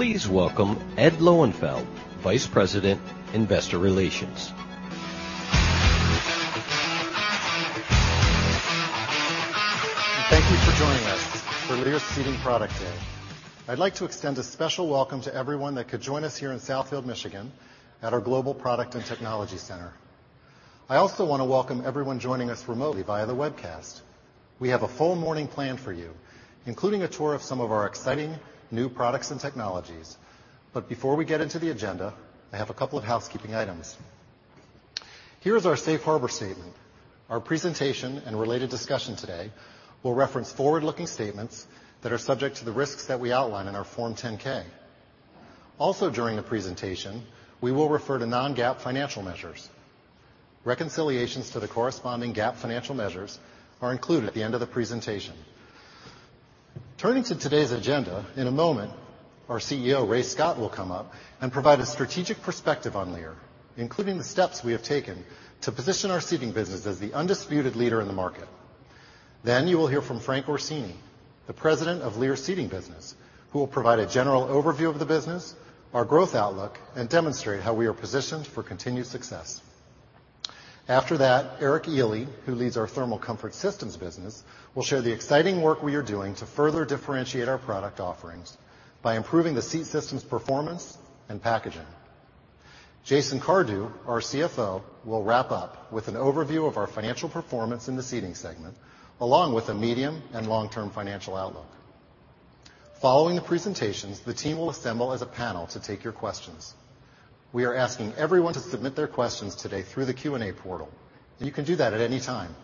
Please welcome Ed Lowenfeld, Vice President, Investor Relations. Thank you for joining us for Lear Seating Product Day. I'd like to extend a special welcome to everyone that could join us here in Southfield, Michigan, at our Global Product and Technology Center. I also want to welcome everyone joining us remotely via the webcast. We have a full morning planned for you, including a tour of some of our exciting new products and technologies. Before we get into the agenda, I have a couple of housekeeping items. Here is our safe harbor statement. Our presentation and related discussion today will reference forward-looking statements that are subject to the risks that we outline in our Form 10-K. Also, during the presentation, we will refer to non-GAAP financial measures. Reconciliations to the corresponding GAAP financial measures are included at the end of the presentation. Turning to today's agenda, in a moment, our CEO, Ray Scott, will come up and provide a strategic perspective on Lear, including the steps we have taken to position our Seating business as the undisputed leader in the market. You will hear from Frank Orsini, the President of Lear Seating business, who will provide a general overview of the business, our growth outlook, and demonstrate how we are positioned for continued success. Eric Ealy, who leads our Thermal Comfort Systems business, will share the exciting work we are doing to further differentiate our product offerings by improving the seat system's performance and packaging. Jason Cardew, our CFO, will wrap up with an overview of our financial performance in the Seating segment, along with a medium and long-term financial outlook. Following the presentations, the team will assemble as a panel to take your questions. We are asking everyone to submit their questions today through the Q&A portal, and you can do that at any time.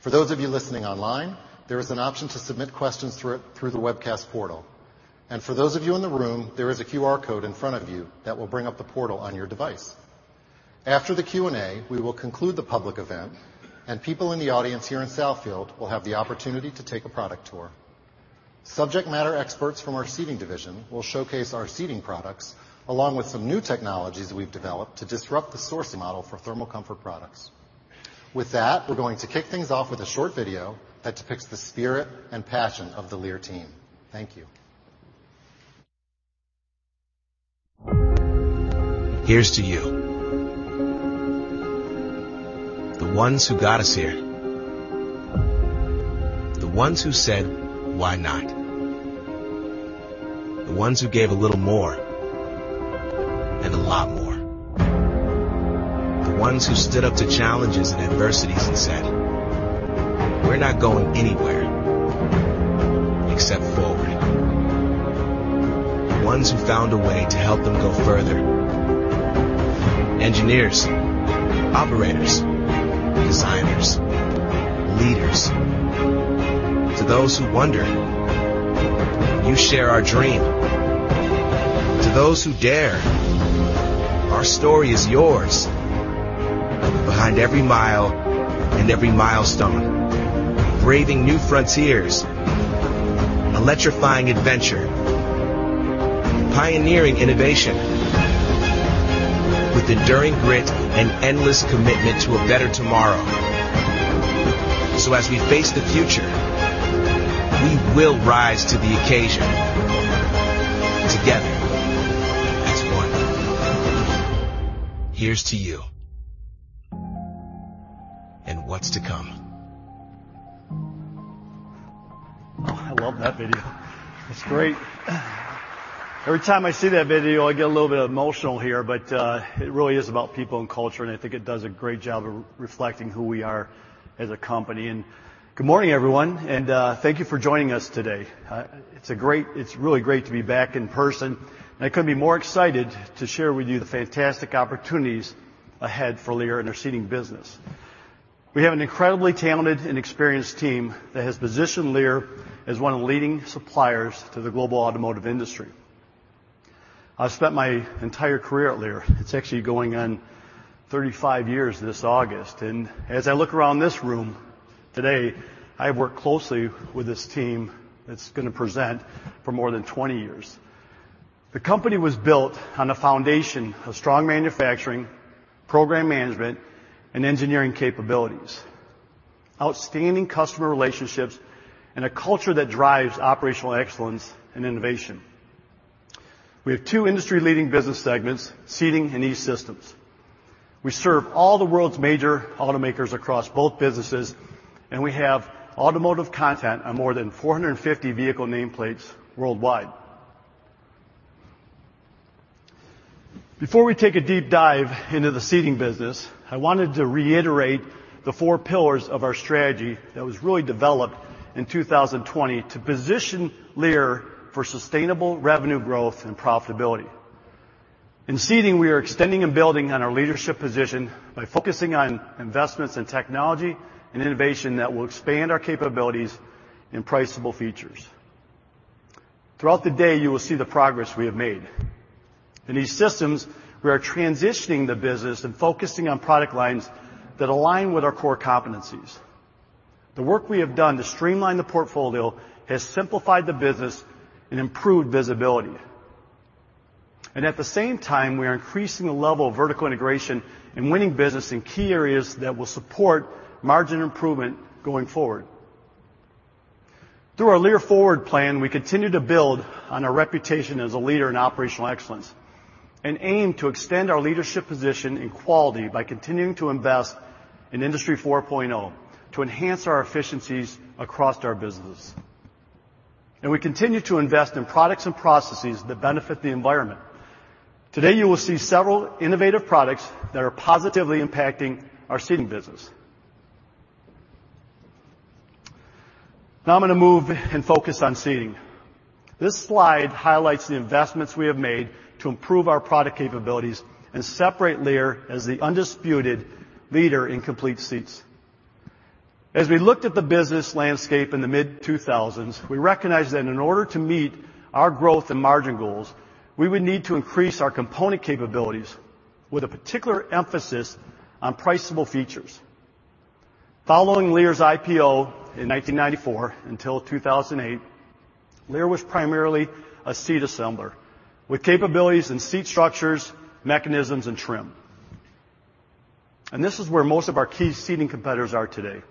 For those of you listening online, there is an option to submit questions through the webcast portal, and for those of you in the room, there is a QR code in front of you that will bring up the portal on your device. After the Q&A, we will conclude the public event, and people in the audience here in Southfield will have the opportunity to take a product tour. Subject matter experts from our Seating division will showcase our Seating products, along with some new technologies we've developed to disrupt the sourcing model for thermal comfort products. With that, we're going to kick things off with a short video that depicts the spirit and passion of the Lear team. Thank you. Here's to you. The ones who got us here. The ones who said, "Why not?" The ones who gave a little more, and a lot more. The ones who stood up to challenges and adversities and said, "We're not going anywhere, except forward." The ones who found a way to help them go further: engineers, operators, designers, leaders. To those who wonder, you share our dream. To those who dare, our story is yours. Behind every mile and every milestone, braving new frontiers, electrifying adventure, pioneering innovation with enduring grit and endless commitment to a better tomorrow. As we face the future, we will rise to the occasion together as one. Here's to you and what's to come. Oh, I love that video. It's great. Every time I see that video, I get a little bit emotional here, it really is about people and culture, I think it does a great job of reflecting who we are as a company. Good morning, everyone, thank you for joining us today. It's really great to be back in person, I couldn't be more excited to share with you the fantastic opportunities ahead for Lear and our Seating business. We have an incredibly talented and experienced team that has positioned Lear as one of the leading suppliers to the global automotive industry. I've spent my entire career at Lear. It's actually going on 35 years this August, as I look around this room today, I have worked closely with this team that's gonna present for more than 20 years. The company was built on a foundation of strong manufacturing, program management, and engineering capabilities, outstanding customer relationships, and a culture that drives operational excellence and innovation. We have two industry-leading business segments, Seating and E-Systems. We have automotive content on more than 450 vehicle nameplates worldwide. Before we take a deep dive into the Seating business, I wanted to reiterate the four pillars of our strategy that was really developed in 2020 to position Lear for sustainable revenue growth and profitability. In Seating, we are extending and building on our leadership position by focusing on investments in technology and innovation that will expand our capabilities in priceable features. Throughout the day, you will see the progress we have made. In these systems, we are transitioning the business and focusing on product lines that align with our core competencies. The work we have done to streamline the portfolio has simplified the business and improved visibility. At the same time, we are increasing the level of vertical integration and winning business in key areas that will support margin improvement going forward. Through our Lear Forward plan, we continue to build on our reputation as a leader in operational excellence, and aim to extend our leadership position in quality by continuing to invest in Industry 4.0 to enhance our efficiencies across our business. We continue to invest in products and processes that benefit the environment. Today, you will see several innovative products that are positively impacting our Seating business. Now I'm gonna move and focus on Seating. This slide highlights the investments we have made to improve our product capabilities and separate Lear as the undisputed leader in complete seats. As we looked at the business landscape in the mid-2000s, we recognized that in order to meet our growth and margin goals, we would need to increase our component capabilities with a particular emphasis on price-able features. Following Lear's IPO in 1994 until 2008, Lear was primarily a seat assembler, with capabilities in seat structures, mechanisms, and trim. This is where most of our key Seating competitors are today.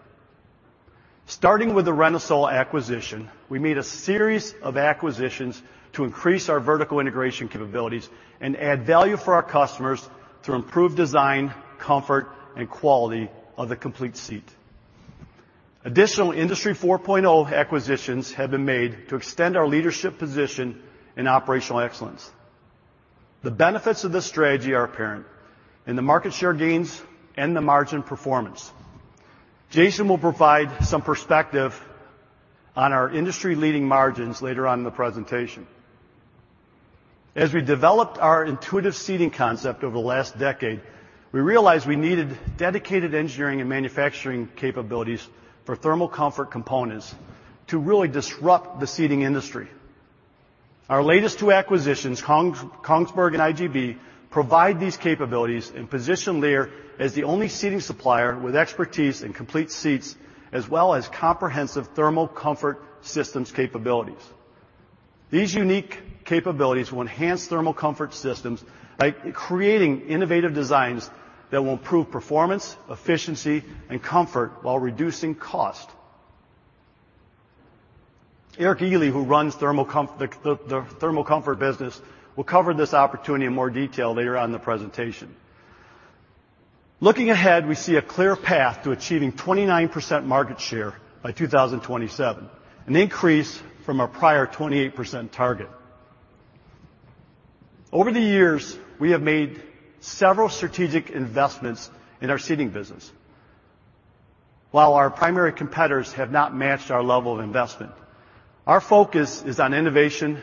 Starting with the Renosol acquisition, we made a series of acquisitions to increase our vertical integration capabilities and add value for our customers to improve design, comfort, and quality of the complete seat. Additional Industry 4.0 acquisitions have been made to extend our leadership position in operational excellence. The benefits of this strategy are apparent in the market share gains and the margin performance. Jason will provide some perspective on our industry-leading margins later on in the presentation. As we developed our INTU Seating concept over the last decade, we realized we needed dedicated engineering and manufacturing capabilities for thermal comfort components to really disrupt the seating industry. Our latest two acquisitions, Kongsberg and IGB, provide these capabilities and position Lear as the only Seating supplier with expertise in complete seats, as well as comprehensive Thermal Comfort Systems capabilities. These unique capabilities will enhance Thermal Comfort Systems by creating innovative designs that will improve performance, efficiency, and comfort while reducing cost. Eric Ealy, who runs the Thermal Comfort business, will cover this opportunity in more detail later on in the presentation. Looking ahead, we see a clear path to achieving 29% market share by 2027, an increase from our prior 28% target. Over the years, we have made several strategic investments in our Seating business, while our primary competitors have not matched our level of investment. Our focus is on innovation,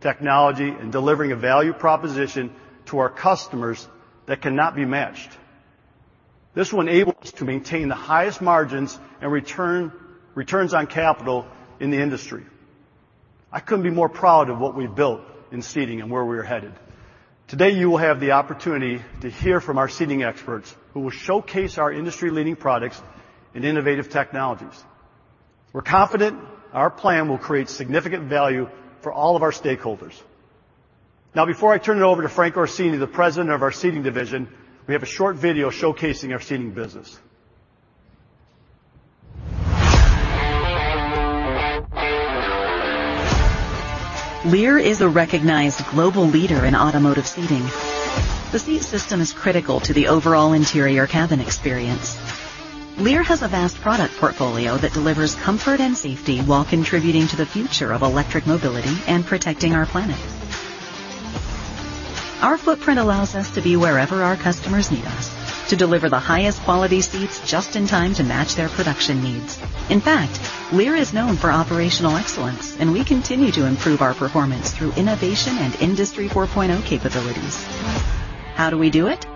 technology, and delivering a value proposition to our customers that cannot be matched. This will enable us to maintain the highest margins and returns on capital in the industry. I couldn't be more proud of what we've built in Seating and where we're headed. Today, you will have the opportunity to hear from our Seating experts, who will showcase our industry-leading products and innovative technologies. We're confident our plan will create significant value for all of our stakeholders. Before I turn it over to Frank Orsini, the President of our Seating division, we have a short video showcasing our Seating business. Lear is a recognized global leader in automotive seating. The seat system is critical to the overall interior cabin experience. Lear has a vast product portfolio that delivers comfort and safety while contributing to the future of electric mobility and protecting our planet. Our footprint allows us to be wherever our customers need us to deliver the highest quality seats just in time to match their production needs. In fact, Lear is known for operational excellence, and we continue to improve our performance through innovation and Industry 4.0 capabilities. How do we do it?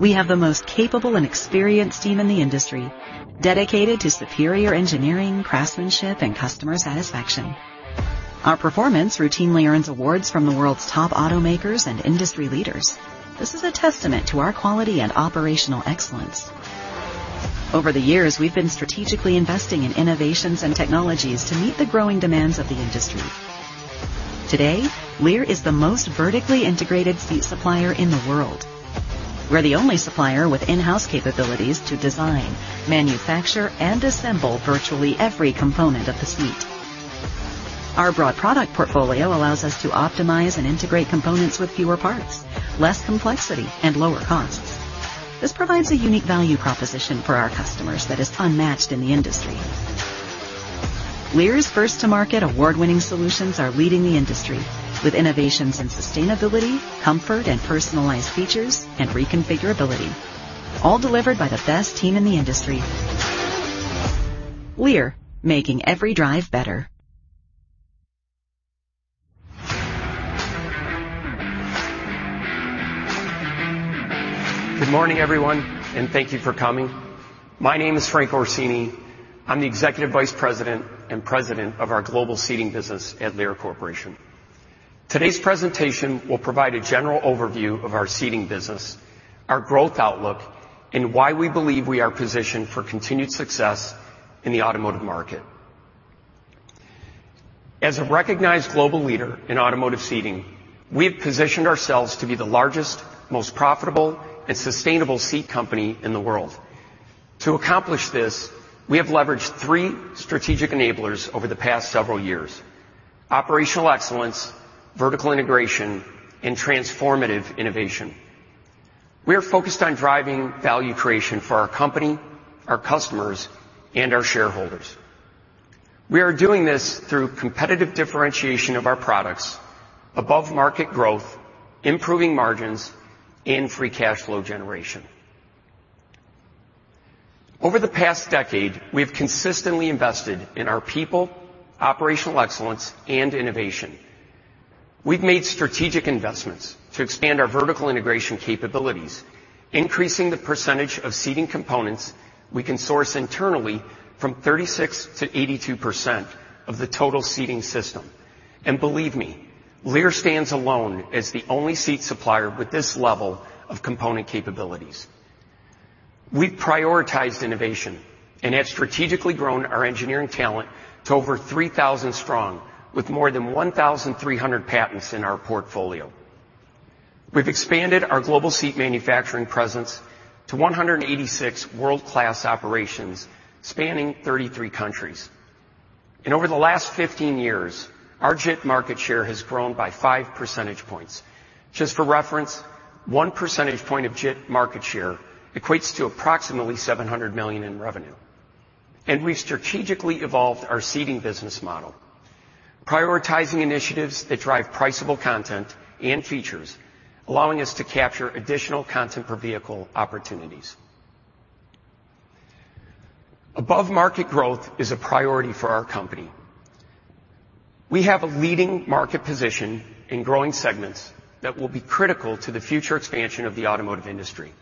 We have the most capable and experienced team in the industry, dedicated to superior engineering, craftsmanship, and customer satisfaction. Our performance routinely earns awards from the world's top automakers and industry leaders. This is a testament to our quality and operational excellence. Over the years, we've been strategically investing in innovations and technologies to meet the growing demands of the industry. Today, Lear is the most vertically integrated seat supplier in the world. We're the only supplier with in-house capabilities to design, manufacture, and assemble virtually every component of the seat. Our broad product portfolio allows us to optimize and integrate components with fewer parts, less complexity, and lower costs. This provides a unique value proposition for our customers that is unmatched in the industry. Lear's first-to-market, award-winning solutions are leading the industry with innovations in sustainability, comfort, and personalized features, and reconfigurability, all delivered by the best team in the industry. Lear, making every drive better. Good morning, everyone, and thank you for coming. My name is Frank Orsini. I'm the Executive Vice President and President of our Global Seating business at Lear Corporation. Today's presentation will provide a general overview of our Seating business, our growth outlook, and why we believe we are positioned for continued success in the automotive market. As a recognized global leader in automotive seating, we have positioned ourselves to be the largest, most profitable, and sustainable seat company in the world. To accomplish this, we have leveraged 3 strategic enablers over the past several years: operational excellence, vertical integration, and transformative innovation. We are focused on driving value creation for our company, our customers, and our shareholders. We are doing this through competitive differentiation of our products, above-market growth, improving margins, and free cash flow generation. Over the past decade, we have consistently invested in our people, operational excellence, and innovation. We've made strategic investments to expand our vertical integration capabilities, increasing the percentage of seating components we can source internally from 36% to 82% of the total Seating system. Believe me, Lear stands alone as the only seat supplier with this level of component capabilities. We've prioritized innovation and have strategically grown our engineering talent to over 3,000 strong, with more than 1,300 patents in our portfolio. We've expanded our global seat manufacturing presence to 186 world-class operations, spanning 33 countries. Over the last 15 years, our JIT market share has grown by five percentage points. Just for reference, one percentage point of JIT market share equates to approximately $700 million in revenue. We strategically evolved our Seating business model, prioritizing initiatives that drive priceable content and features, allowing us to capture additional content per vehicle opportunities. Above-market growth is a priority for our company. We have a leading market position in growing segments that will be critical to the future expansion of the automotive industry.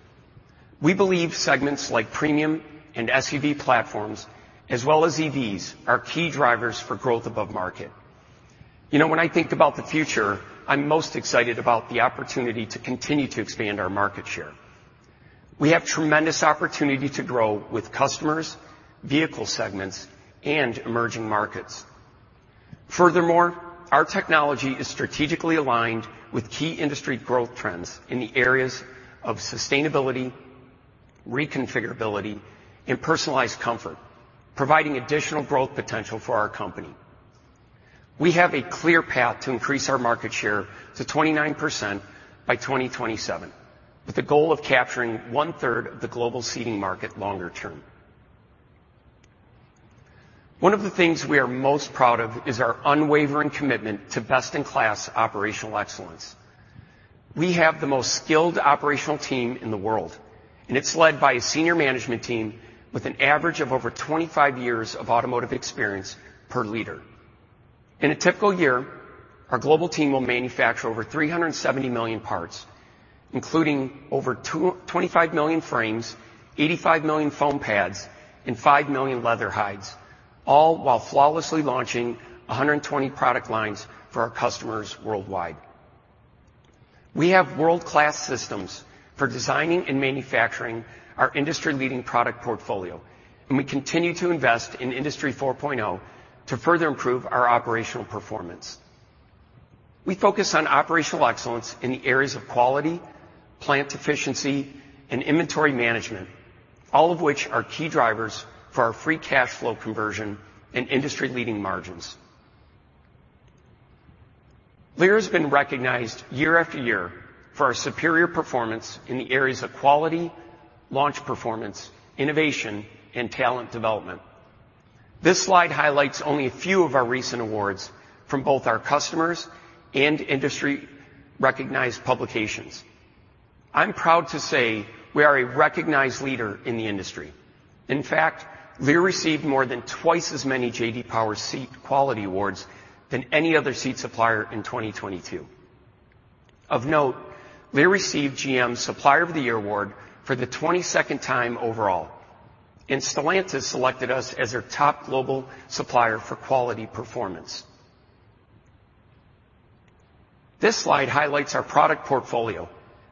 We believe segments like premium and SUV platforms, as well as EVs, are key drivers for growth above market. You know, when I think about the future, I'm most excited about the opportunity to continue to expand our market share. We have tremendous opportunity to grow with customers, vehicle segments, and emerging markets. Furthermore, our technology is strategically aligned with key industry growth trends in the areas of sustainability, reconfigurability, and personalized comfort, providing additional growth potential for our company. We have a clear path to increase our market share to 29% by 2027, with the goal of capturing 1/3 of the global seating market longer term. One of the things we are most proud of is our unwavering commitment to best-in-class operational excellence. We have the most skilled operational team in the world, and it's led by a senior management team with an average of over 25 years of automotive experience per leader. In a typical year, our global team will manufacture over 370 million parts, including over 25 million frames, 85 million foam pads, and 5 million leather hides, all while flawlessly launching 120 product lines for our customers worldwide. We have world-class systems for designing and manufacturing our industry-leading product portfolio, and we continue to invest in Industry 4.0 to further improve our operational performance. We focus on operational excellence in the areas of quality, plant efficiency, and inventory management, all of which are key drivers for our free cash flow conversion and industry-leading margins. Lear has been recognized year after year for our superior performance in the areas of quality, launch performance, innovation, and talent development. This slide highlights only a few of our recent awards from both our customers and industry-recognized publications. I'm proud to say we are a recognized leader in the industry. In fact, Lear received more than twice as many J.D. Power Seat Quality Awards than any other seat supplier in 2022. Of note, Lear received GM's Supplier of the Year award for the 22nd time overall, and Stellantis selected us as their top global supplier for quality performance. This slide highlights our product portfolio,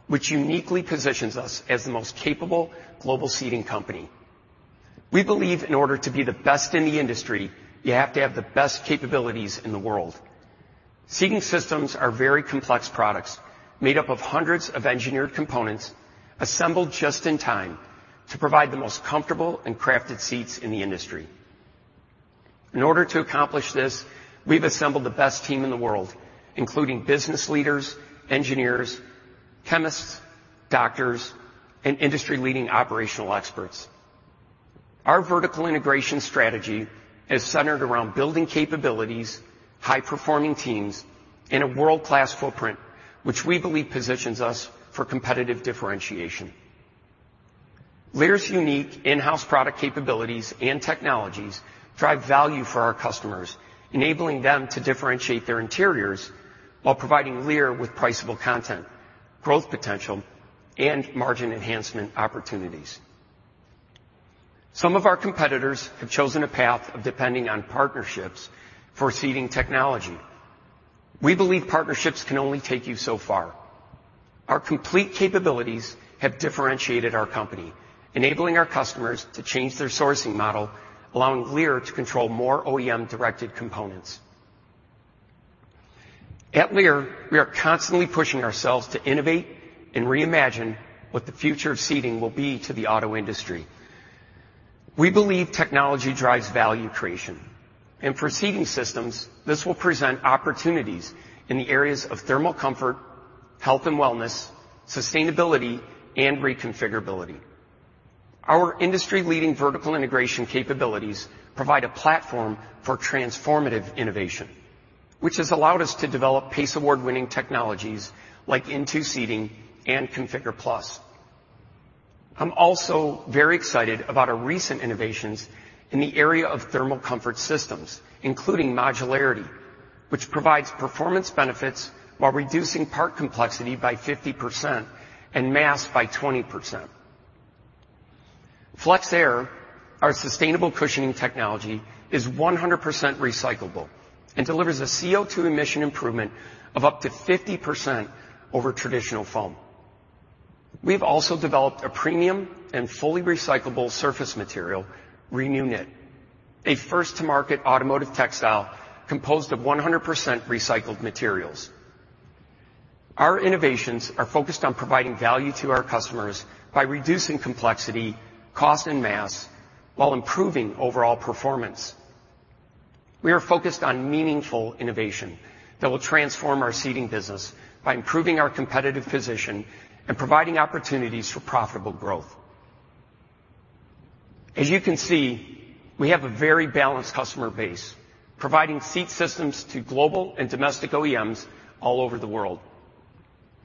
which uniquely positions us as the most capable global seating company. We believe in order to be the best in the industry, you have to have the best capabilities in the world. Seating systems are very complex products, made up of hundreds of engineered components, assembled just in time to provide the most comfortable and crafted seats in the industry. In order to accomplish this, we've assembled the best team in the world, including business leaders, engineers, chemists, doctors, and industry-leading operational experts. Our vertical integration strategy is centered around building capabilities, high-performing teams, and a world-class footprint, which we believe positions us for competitive differentiation. Lear's unique in-house product capabilities and technologies drive value for our customers, enabling them to differentiate their interiors while providing Lear with priceable content, growth potential, and margin enhancement opportunities. Some of our competitors have chosen a path of depending on partnerships for seating technology. We believe partnerships can only take you so far. Our complete capabilities have differentiated our company, enabling our customers to change their sourcing model, allowing Lear to control more OEM-directed components. At Lear, we are constantly pushing ourselves to innovate and reimagine what the future of seating will be to the auto industry. We believe technology drives value creation, and for Seating Systems, this will present opportunities in the areas of thermal comfort, health and wellness, sustainability, and reconfigurability. Our industry-leading vertical integration capabilities provide a platform for transformative innovation, which has allowed us to develop PACE Award-winning technologies like INTU Seating and ConfigurE+. I'm also very excited about our recent innovations in the area of Thermal Comfort Systems, including modularity, which provides performance benefits while reducing part complexity by 50% and mass by 20%. FlexAir, our sustainable cushioning technology, is 100% recyclable and delivers a CO2 emission improvement of up to 50% over traditional foam. We've also developed a premium and fully recyclable surface material, ReNewKnit, a first-to-market automotive textile composed of 100% recycled materials. Our innovations are focused on providing value to our customers by reducing complexity, cost, and mass, while improving overall performance. We are focused on meaningful innovation that will transform our seating business by improving our competitive position and providing opportunities for profitable growth. As you can see, we have a very balanced customer base, providing seat systems to global and domestic OEMs all over the world.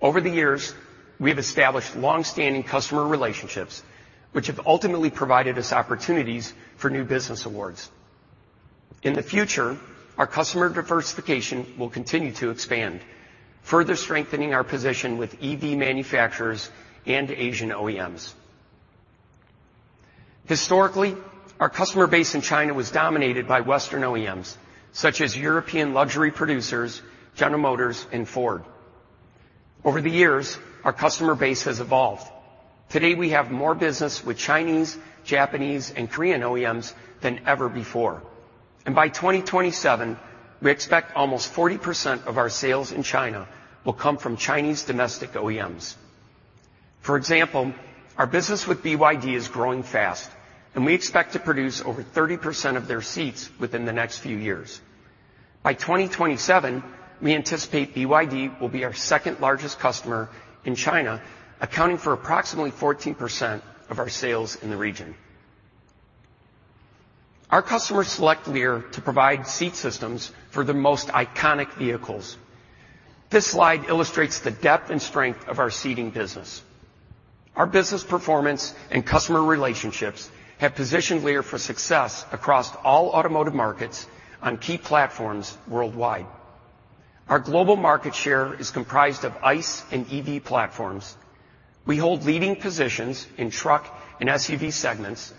Over the years, we have established long-standing customer relationships, which have ultimately provided us opportunities for new business awards. In the future, our customer diversification will continue to expand, further strengthening our position with EV manufacturers and Asian OEMs. Historically, our customer base in China was dominated by Western OEMs, such as European luxury producers, General Motors, and Ford. Over the years, our customer base has evolved. Today, we have more business with Chinese, Japanese, and Korean OEMs than ever before, and by 2027, we expect almost 40% of our sales in China will come from Chinese domestic OEMs. For example, our business with BYD is growing fast, and we expect to produce over 30% of their seats within the next few years. By 2027, we anticipate BYD will be our second-largest customer in China, accounting for approximately 14% of our sales in the region. Our customers select Lear to provide seat systems for the most iconic vehicles. This slide illustrates the depth and strength of our seating business. Our business performance and customer relationships have positioned Lear for success across all automotive markets on key platforms worldwide. Our global market share is comprised of ICE and EV platforms. We hold leading positions in truck and SUV segments,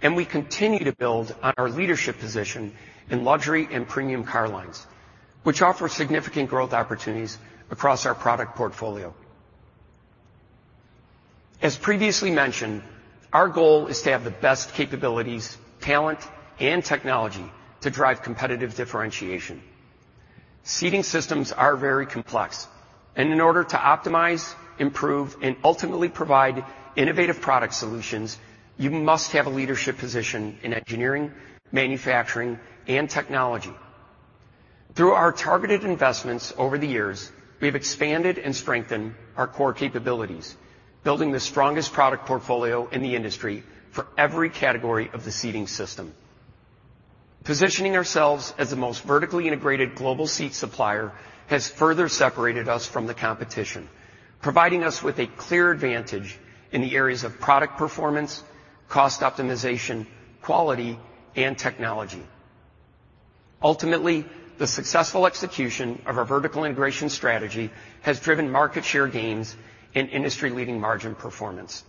and we continue to build on our leadership position in luxury and premium car lines, which offer significant growth opportunities across our product portfolio. As previously mentioned, our goal is to have the best capabilities, talent, and technology to drive competitive differentiation. Seating systems are very complex, and in order to optimize, improve, and ultimately provide innovative product solutions, you must have a leadership position in engineering, manufacturing, and technology. Through our targeted investments over the years, we've expanded and strengthened our core capabilities, building the strongest product portfolio in the industry for every category of the seating system. Positioning ourselves as the most vertically integrated global seat supplier has further separated us from the competition, providing us with a clear advantage in the areas of product performance, cost optimization, quality, and technology. Ultimately, the successful execution of our vertical integration strategy has driven market share gains and industry-leading margin performance.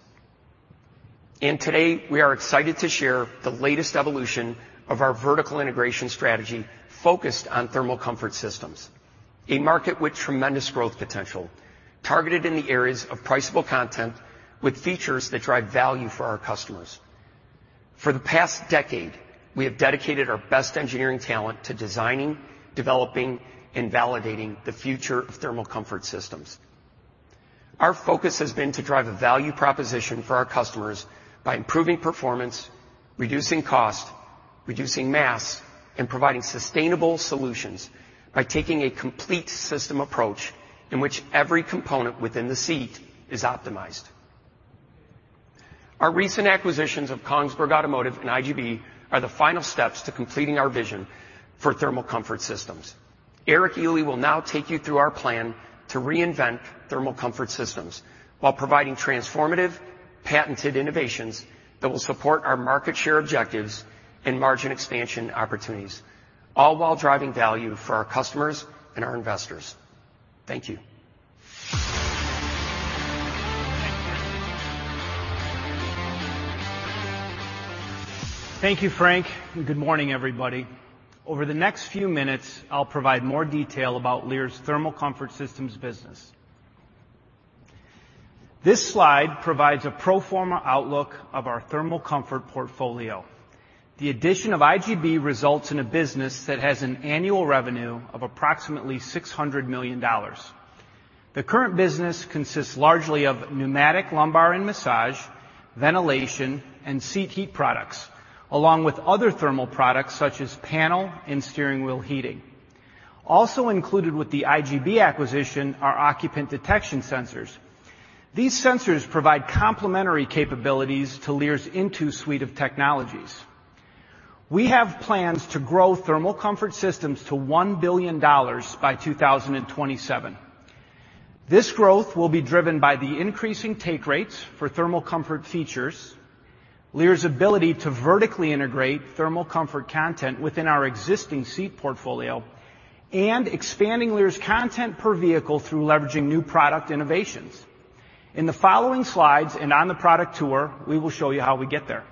Today, we are excited to share the latest evolution of our vertical integration strategy focused on Thermal Comfort Systems, a market with tremendous growth potential, targeted in the areas of priceable content with features that drive value for our customers. For the past decade, we have dedicated our best engineering talent to designing, developing, and validating the future of Thermal Comfort Systems. Our focus has been to drive a value proposition for our customers by improving performance, reducing cost, reducing mass, and providing sustainable solutions by taking a complete system approach in which every component within the seat is optimized. Our recent acquisitions of Kongsberg Automotive and IGB are the final steps to completing our vision for Thermal Comfort Systems. Eric Ealy will now take you through our plan to reinvent Thermal Comfort Systems while providing transformative, patented innovations that will support our market share objectives and margin expansion opportunities, all while driving value for our customers and our investors. Thank you. Thank you, Frank, and good morning, everybody. Over the next few minutes, I'll provide more detail about Lear's Thermal Comfort Systems business. This slide provides a pro forma outlook of our thermal comfort portfolio. The addition of IGB results in a business that has an annual revenue of approximately $600 million. The current business consists largely of pneumatic, lumbar, and massage, ventilation, and seat heat products, along with other thermal products such as panel and steering wheel heating. Also included with the IGB acquisition are occupant detection sensors. These sensors provide complementary capabilities to Lear's INTU suite of technologies. We have plans to grow Thermal Comfort Systems to $1 billion by 2027. This growth will be driven by the increasing take rates for thermal comfort features, Lear's ability to vertically integrate thermal comfort content within our existing seat portfolio, and expanding Lear's content per vehicle through leveraging new product innovations. In the following slides and on the product tour, we will show you how we get there.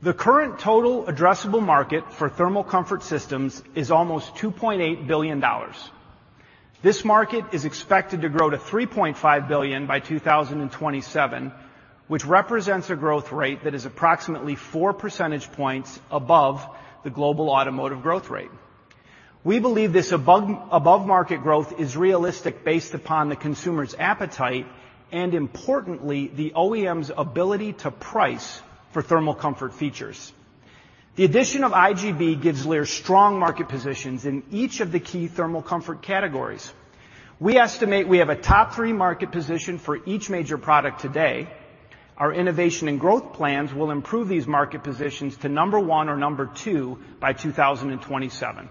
The current total addressable market for thermal comfort systems is almost $2.8 billion. This market is expected to grow to $3.5 billion by 2027, which represents a growth rate that is approximately 4 percentage points above the global automotive growth rate. We believe this above market growth is realistic based upon the consumer's appetite and importantly, the OEM's ability to price for thermal comfort features. The addition of IGB gives Lear strong market positions in each of the key thermal comfort categories. We estimate we have a top 3 market position for each major product today. Our innovation and growth plans will improve these market positions to number one or number two by 2027.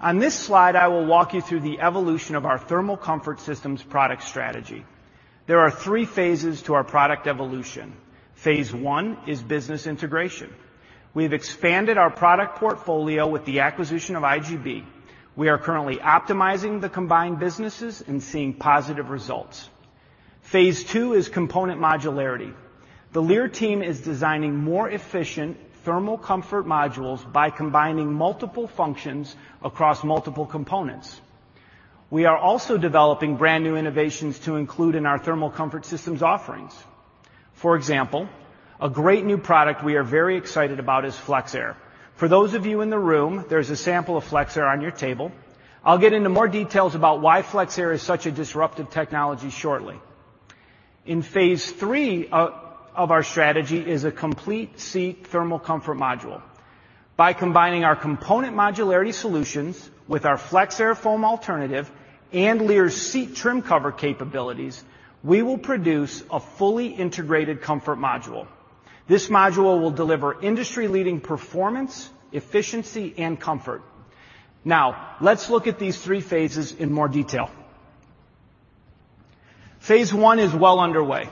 On this slide, I will walk you through the evolution of our Thermal Comfort Systems product strategy. There are 3 phases to our product evolution. Phase I is business integration. We've expanded our product portfolio with the acquisition of IGB. We are currently optimizing the combined businesses and seeing positive results. Phase II is component modularity. The Lear team is designing more efficient thermal comfort modules by combining multiple functions across multiple components. We are also developing brand-new innovations to include in our Thermal Comfort Systems offerings. For example, a great new product we are very excited about is FlexAir. For those of you in the room, there's a sample of FlexAir on your table. I'll get INTU more details about why FlexAir is such a disruptive technology shortly. In phase III of our strategy is a complete thermal comfort module. By combining our component modularity solutions with our FlexAir foam alternative and Lear's seat trim cover capabilities, we will produce a fully integrated comfort module. This module will deliver industry-leading performance, efficiency, and comfort. Let's look at these three phases in more detail. Phase I is well underway.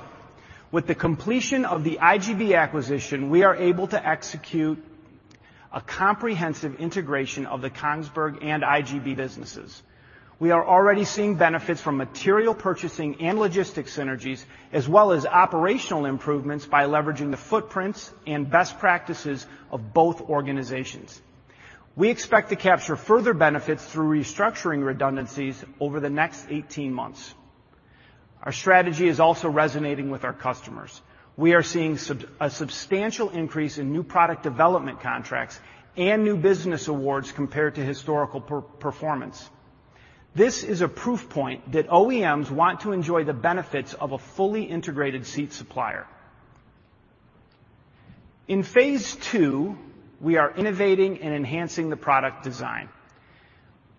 With the completion of the IGB acquisition, we are able to execute a comprehensive integration of the Kongsberg and IGB businesses. We are already seeing benefits from material purchasing and logistics synergies, as well as operational improvements by leveraging the footprints and best practices of both organizations. We expect to capture further benefits through restructuring redundancies over the next 18 months. Our strategy is also resonating with our customers. A substantial increase in new product development contracts and new business awards compared to historical per-performance. This is a proof point that OEMs want to enjoy the benefits of a fully integrated seat supplier. In phase II, we are innovating and enhancing the product design.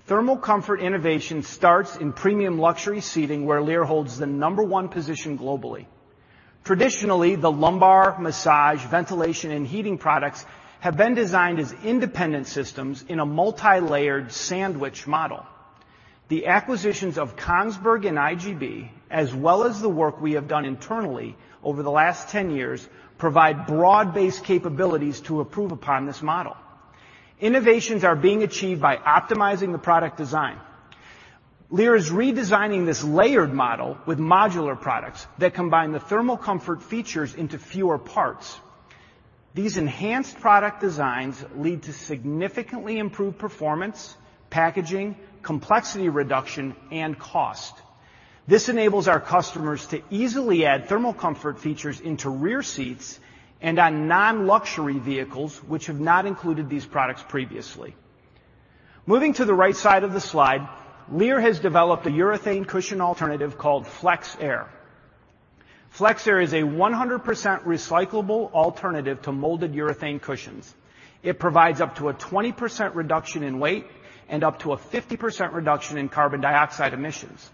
Thermal comfort innovation starts in premium luxury seating, where Lear holds the number one position globally. Traditionally, the lumbar, massage, ventilation, and heating products have been designed as independent systems in a multilayered sandwich model. The acquisitions of Kongsberg and IGB, as well as the work we have done internally over the last 10 years, provide broad-based capabilities to improve upon this model. Innovations are being achieved by optimizing the product design. Lear is redesigning this layered model with modular products that combine the thermal comfort features into fewer parts. These enhanced product designs lead to significantly improved performance, packaging, complexity reduction, and cost. This enables our customers to easily add thermal comfort features INTU rear seats and on non-luxury vehicles, which have not included these products previously. Moving to the right side of the slide, Lear has developed a urethane cushion alternative called FlexAir. FlexAir is a 100% recyclable alternative to molded urethane cushions. It provides up to a 20% reduction in weight and up to a 50% reduction in carbon dioxide emissions.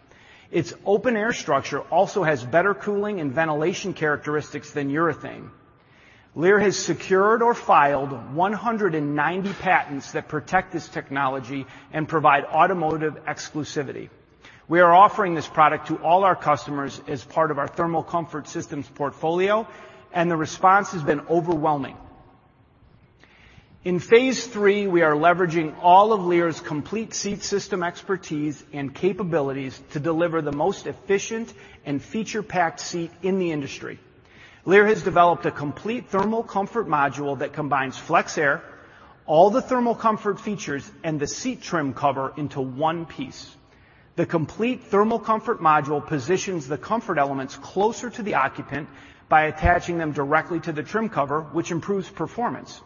Its open air structure also has better cooling and ventilation characteristics than urethane. Lear has secured or filed 190 patents that protect this technology and provide automotive exclusivity. We are offering this product to all our customers as part of our Thermal Comfort Systems portfolio. The response has been overwhelming. In phase III, we are leveraging all of Lear's complete seat system expertise and capabilities to deliver the most efficient and feature-packed seat in the industry. Lear has developed a complete thermal comfort module that combines FlexAir, all the thermal comfort features, and the seat trim cover into one piece. The complete thermal comfort module positions the comfort elements closer to the occupant by attaching them directly to the trim cover, which improves performance.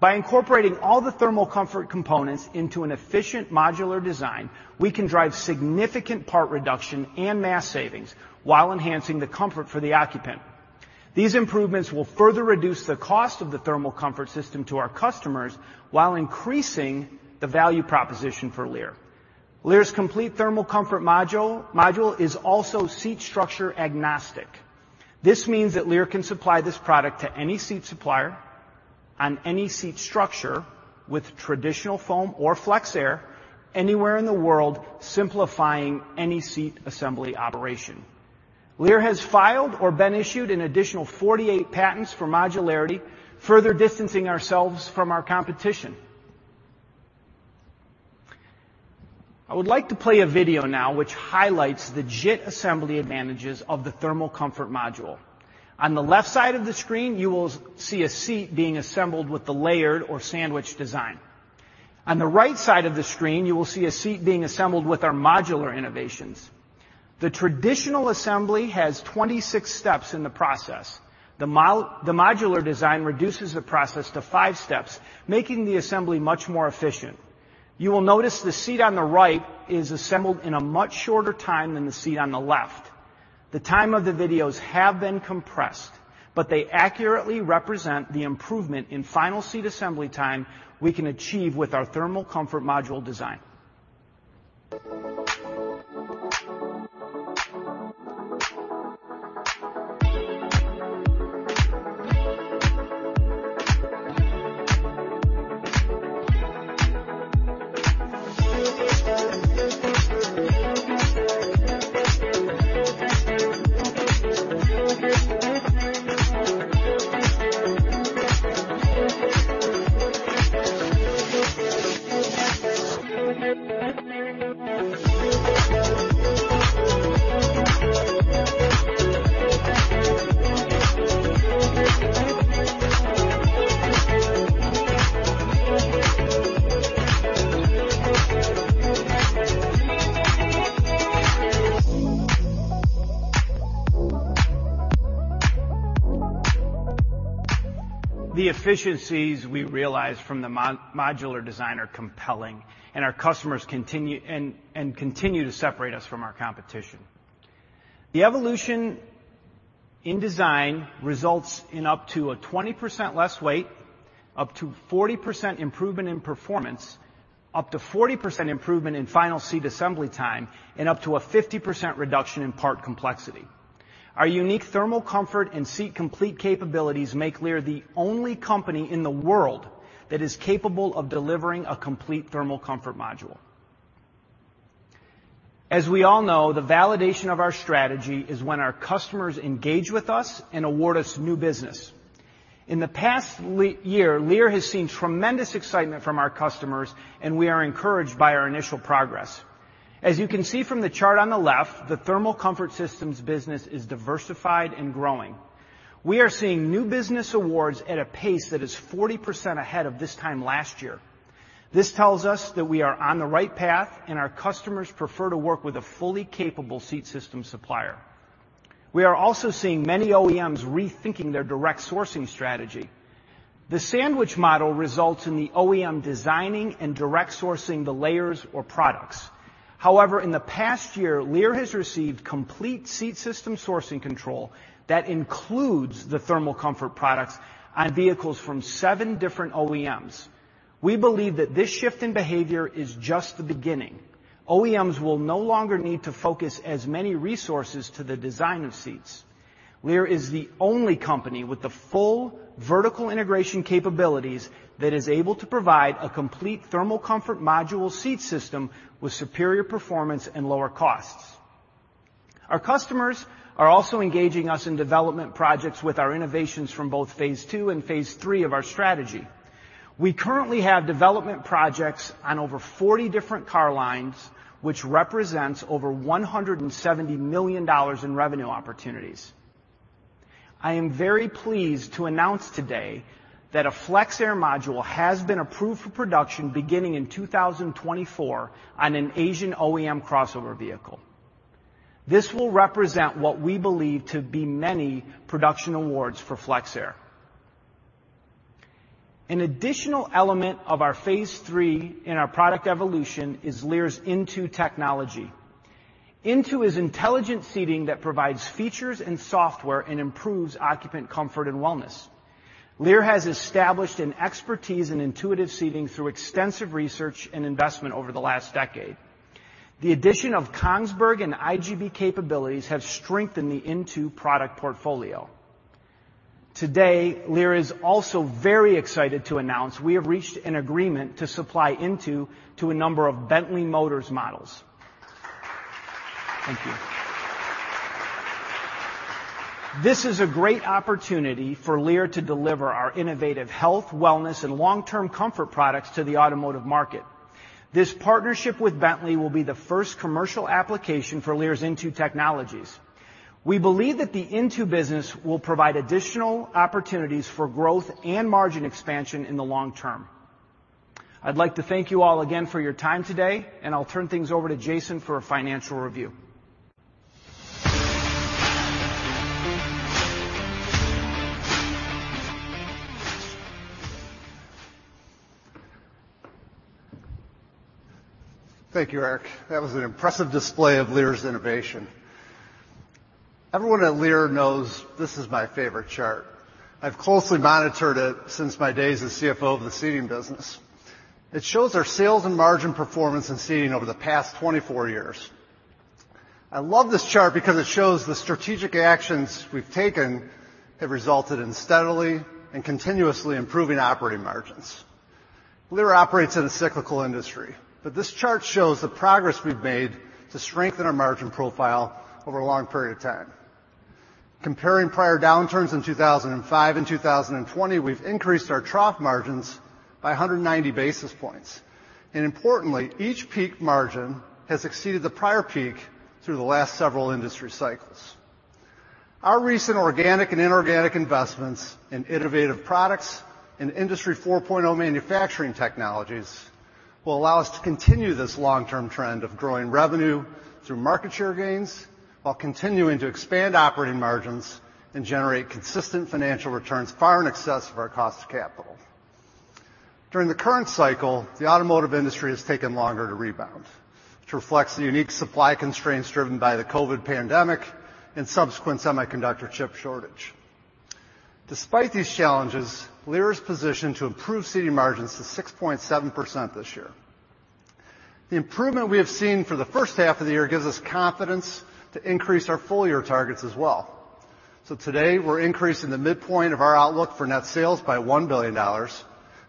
By incorporating all the thermal comfort components into an efficient modular design, we can drive significant part reduction and mass savings while enhancing the comfort for the occupant. These improvements will further reduce the cost of the thermal comfort system to our customers while increasing the value proposition for Lear. Lear's complete thermal comfort module is also seat structure agnostic. This means that Lear can supply this product to any seat supplier on any seat structure with traditional foam or FlexAir anywhere in the world, simplifying any seat assembly operation. Lear has filed or been issued an additional 48 patents for modularity, further distancing ourselves from our competition. I would like to play a video now which highlights the JIT assembly advantages of the Thermal Comfort Module. On the left side of the screen, you will see a seat being assembled with the layered or sandwich design. On the right side of the screen, you will see a seat being assembled with our modular innovations. The traditional assembly has 26 steps in the process. The modular design reduces the process to 5 steps, making the assembly much more efficient. You will notice the seat on the right is assembled in a much shorter time than the seat on the left. The time of the videos have been compressed, but they accurately represent the improvement in final seat assembly time we can achieve with our Thermal Comfort Module design. The efficiencies we realize from the modular design are compelling, and our customers continue to separate us from our competition. The evolution in design results in up to a 20% less weight, up to 40% improvement in performance, up to 40% improvement in final seat assembly time, and up to a 50% reduction in part complexity. Our unique thermal comfort and seat complete capabilities make Lear the only company in the world that is capable of delivering a complete thermal comfort module. As we all know, the validation of our strategy is when our customers engage with us and award us new business. In the past year, Lear has seen tremendous excitement from our customers, and we are encouraged by our initial progress. As you can see from the chart on the left, the Thermal Comfort Systems business is diversified and growing. We are seeing new business awards at a pace that is 40% ahead of this time last year. This tells us that we are on the right path, and our customers prefer to work with a fully capable seat system supplier. We are also seeing many OEMs rethinking their direct sourcing strategy. The sandwich model results in the OEM designing and direct sourcing the layers or products. In the past year, Lear has received complete seat system sourcing control that includes the thermal comfort products on vehicles from 7 different OEMs. We believe that this shift in behavior is just the beginning. OEMs will no longer need to focus as many resources to the design of seats. Lear is the only company with the full vertical integration capabilities that is able to provide a complete Thermal Comfort Module seat system with superior performance and lower costs. Our customers are also engaging us in development projects with our innovations from both phase II and phase III of our strategy. We currently have development projects on over 40 different car lines, which represents over $170 million in revenue opportunities. I am very pleased to announce today that a FlexAir module has been approved for production beginning in 2024 on an Asian OEM crossover vehicle. This will represent what we believe to be many production awards for FlexAir. An additional element of our phase III in our product evolution is Lear's INTU technology. INTU is intelligent seating that provides features and software and improves occupant comfort and wellness. Lear has established an expertise in INTU seating through extensive research and investment over the last decade. The addition of Kongsberg and IGB capabilities have strengthened the INTU product portfolio. Today, Lear is also very excited to announce we have reached an agreement to supply INTU to a number of Bentley Motors models. Thank you. This is a great opportunity for Lear to deliver our innovative health, wellness, and long-term comfort products to the automotive market. This partnership with Bentley will be the first commercial application for Lear's INTU technologies. We believe that the INTU business will provide additional opportunities for growth and margin expansion in the long term. I'd like to thank you all again for your time today, and I'll turn things over to Jason for a financial review. Thank you, Eric. That was an impressive display of Lear's innovation. Everyone at Lear knows this is my favorite chart. I've closely monitored it since my days as CFO of the Seating business. It shows our sales and margin performance in seating over the past 24 years. I love this chart because it shows the strategic actions we've taken have resulted in steadily and continuously improving operating margins. Lear operates in a cyclical industry. This chart shows the progress we've made to strengthen our margin profile over a long period of time. Comparing prior downturns in 2005 and 2020, we've increased our trough margins by 190 basis points. Importantly, each peak margin has exceeded the prior peak through the last several industry cycles. Our recent organic and inorganic investments in innovative products and Industry 4.0 manufacturing technologies will allow us to continue this long-term trend of growing revenue through market share gains, while continuing to expand operating margins and generate consistent financial returns far in excess of our cost of capital. During the current cycle, the automotive industry has taken longer to rebound, which reflects the unique supply constraints driven by the COVID pandemic and subsequent semiconductor chip shortage. Despite these challenges, Lear is positioned to improve seating margins to 6.7% this year. The improvement we have seen for the first half of the year gives us confidence to increase our full-year targets as well. Today, we're increasing the midpoint of our outlook for net sales by $1 billion,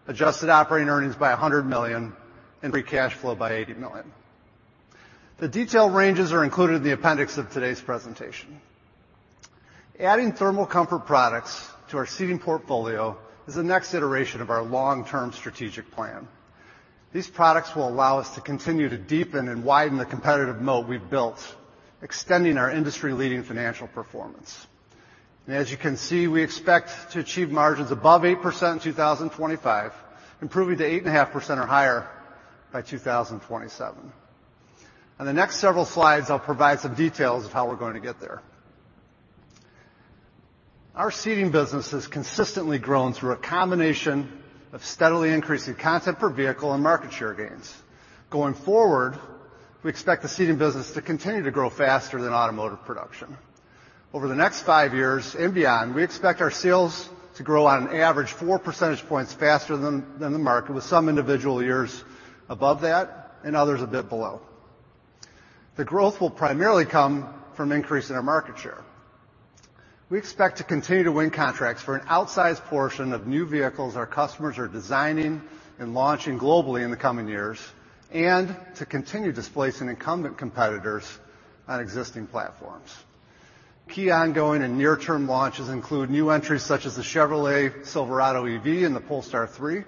adjusted operating earnings by $100 million, and free cash flow by $80 million. The detailed ranges are included in the appendix of today's presentation. Adding thermal comfort products to our seating portfolio is the next iteration of our long-term strategic plan. These products will allow us to continue to deepen and widen the competitive moat we've built, extending our industry-leading financial performance. As you can see, we expect to achieve margins above 8% in 2025, improving to 8.5% or higher by 2027. On the next several slides, I'll provide some details of how we're going to get there. Our Seating business has consistently grown through a combination of steadily increasing content per vehicle and market share gains. Going forward, we expect the Seating business to continue to grow faster than automotive production. Over the next five years and beyond, we expect our sales to grow on an average four percentage points faster than the market, with some individual years above that and others a bit below. The growth will primarily come from increase in our market share. We expect to continue to win contracts for an outsized portion of new vehicles our customers are designing and launching globally in the coming years, and to continue displacing incumbent competitors on existing platforms. Key ongoing and near-term launches include new entries such as the Chevrolet Silverado EV and the Polestar 3.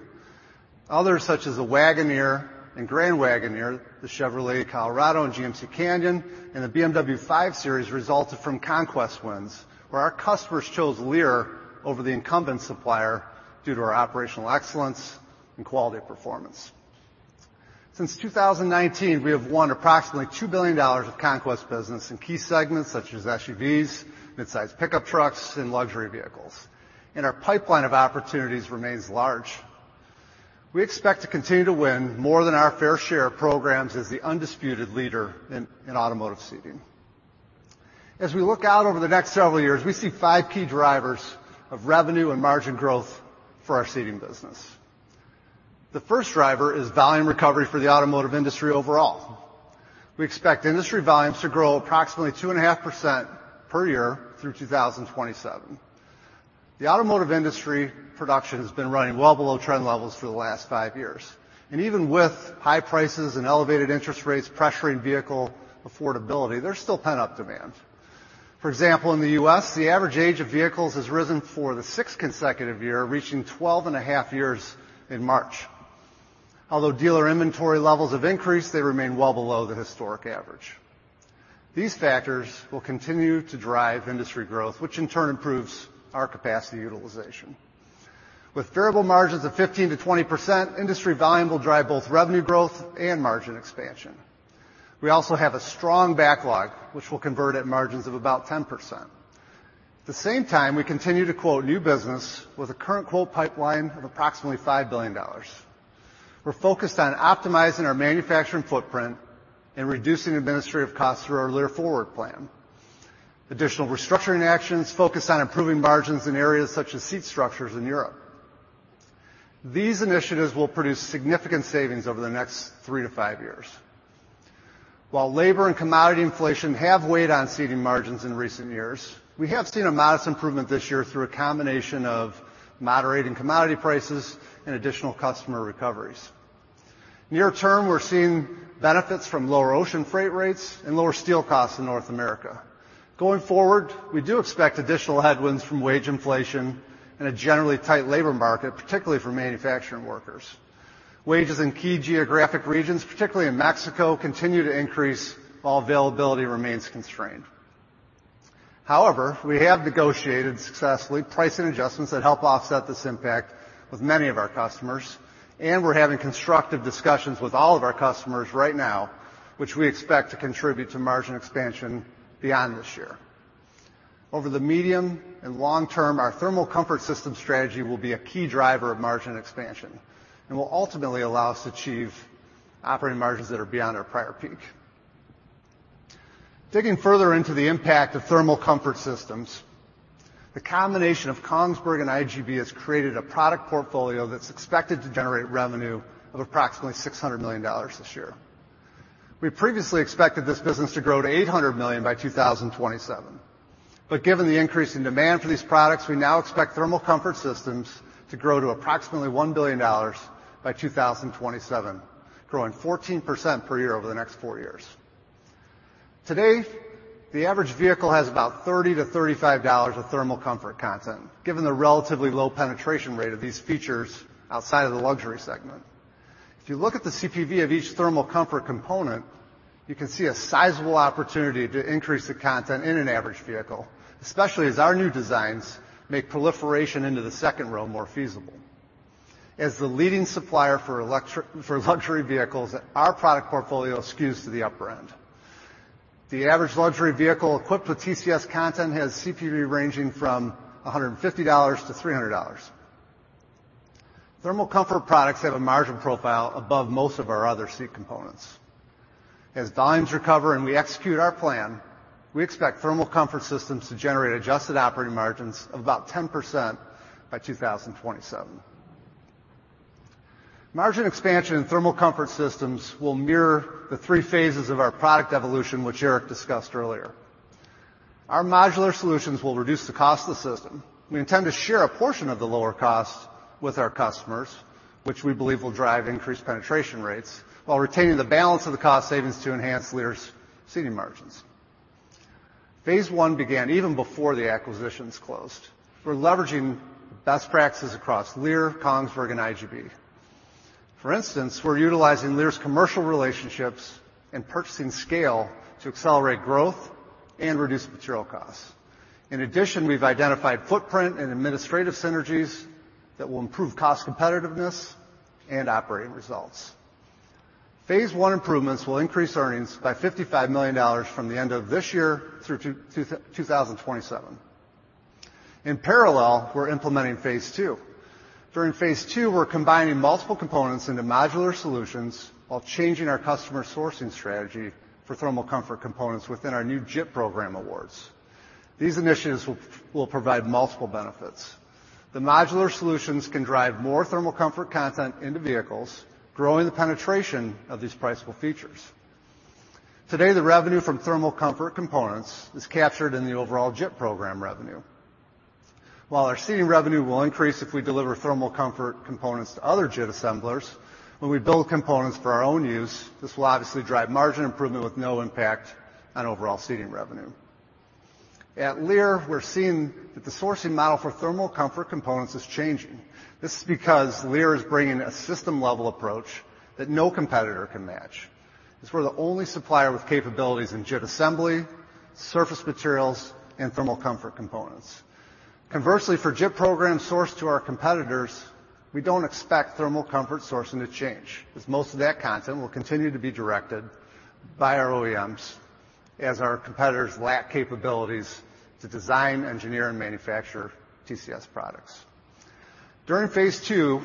Others, such as the Wagoneer and Grand Wagoneer, the Chevrolet Colorado, and GMC Canyon, and the BMW 5 Series, resulted from conquest wins, where our customers chose Lear over the incumbent supplier due to our operational excellence and quality performance. Since 2019, we have won approximately $2 billion of conquest business in key segments such as SUVs, midsize pickup trucks, and luxury vehicles, and our pipeline of opportunities remains large. We expect to continue to win more than our fair share of programs as the undisputed leader in automotive seating. As we look out over the next several years, we see five key drivers of revenue and margin growth for our Seating business. The first driver is volume recovery for the automotive industry overall. We expect industry volumes to grow approximately 2.5% per year through 2027. The automotive industry production has been running well below trend levels for the last five years, and even with high prices and elevated interest rates pressuring vehicle affordability, there's still pent-up demand. For example, in the U.S., the average age of vehicles has risen for the sixth consecutive year, reaching 12 and a half years in March. Although dealer inventory levels have increased, they remain well below the historic average. These factors will continue to drive industry growth, which in turn improves our capacity utilization. With variable margins of 15%-20%, industry volume will drive both revenue growth and margin expansion. We also have a strong backlog, which will convert at margins of about 10%. At the same time, we continue to quote new business with a current quote pipeline of approximately $5 billion. We're focused on optimizing our manufacturing footprint and reducing administrative costs through our Lear Forward Plan. Additional restructuring actions focus on improving margins in areas such as seat structures in Europe. These initiatives will produce significant savings over the next 3-5 years. While labor and commodity inflation have weighed on seating margins in recent years, we have seen a modest improvement this year through a combination of moderating commodity prices and additional customer recoveries. Near term, we're seeing benefits from lower ocean freight rates and lower steel costs in North America. Going forward, we do expect additional headwinds from wage inflation and a generally tight labor market, particularly for manufacturing workers. Wages in key geographic regions, particularly in Mexico, continue to increase while availability remains constrained. We have negotiated successfully pricing adjustments that help offset this impact with many of our customers, and we're having constructive discussions with all of our customers right now, which we expect to contribute to margin expansion beyond this year. Over the medium and long term, our Thermal Comfort Systems strategy will be a key driver of margin expansion and will ultimately allow us to achieve operating margins that are beyond our prior peak. Digging further INTU the impact of Thermal Comfort Systems, the combination of Kongsberg and IGB has created a product portfolio that's expected to generate revenue of approximately $600 million this year. We previously expected this business to grow to $800 million by 2027, but given the increase in demand for these products, we now expect Thermal Comfort Systems to grow to approximately $1 billion by 2027, growing 14% per year over the next four years. Today, the average vehicle has about $30-$35 of Thermal Comfort Systems content, given the relatively low penetration rate of these features outside of the luxury segment. If you look at the CPV of each thermal comfort component, you can see a sizable opportunity to increase the content in an average vehicle, especially as our new designs make proliferation INTU the second row more feasible. As the leading supplier for luxury vehicles, our product portfolio skews to the upper end. The average luxury vehicle equipped with TCS content has CPV ranging from $150-$300. Thermal comfort products have a margin profile above most of our other seat components. As volumes recover and we execute our plan, we expect Thermal Comfort Systems to generate adjusted operating margins of about 10% by 2027. Margin expansion in Thermal Comfort Systems will mirror the 3 phases of our product evolution, which Eric discussed earlier. Our modular solutions will reduce the cost of the system. We intend to share a portion of the lower cost with our customers, which we believe will drive increased penetration rates while retaining the balance of the cost savings to enhance Lear's seating margins. Phase I began even before the acquisitions closed. We're leveraging best practices across Lear, Kongsberg, and IGB. For instance, we're utilizing Lear's commercial relationships and purchasing scale to accelerate growth and reduce material costs. In addition, we've identified footprint and administrative synergies that will improve cost competitiveness and operating results. Phase I improvements will increase earnings by $55 million from the end of this year through 2027. In parallel, we're implementing phase II. During phase II, we're combining multiple components INTU modular solutions while changing our customer sourcing strategy for thermal comfort components within our new JIT program awards. These initiatives will provide multiple benefits. The modular solutions can drive more thermal comfort content INTU vehicles, growing the penetration of these priceable features. Today, the revenue from thermal comfort components is captured in the overall JIT program revenue. While our seating revenue will increase if we deliver thermal comfort components to other JIT assemblers, when we build components for our own use, this will obviously drive margin improvement with no impact on overall seating revenue. At Lear, we're seeing that the sourcing model for thermal comfort components is changing. This is because Lear is bringing a system-level approach that no competitor can match, as we're the only supplier with capabilities in JIT assembly, surface materials, and thermal comfort components. Conversely, for JIT programs sourced to our competitors, we don't expect thermal comfort sourcing to change, as most of that content will continue to be directed by our OEMs, as our competitors lack capabilities to design, engineer, and manufacture TCS products. During phase II,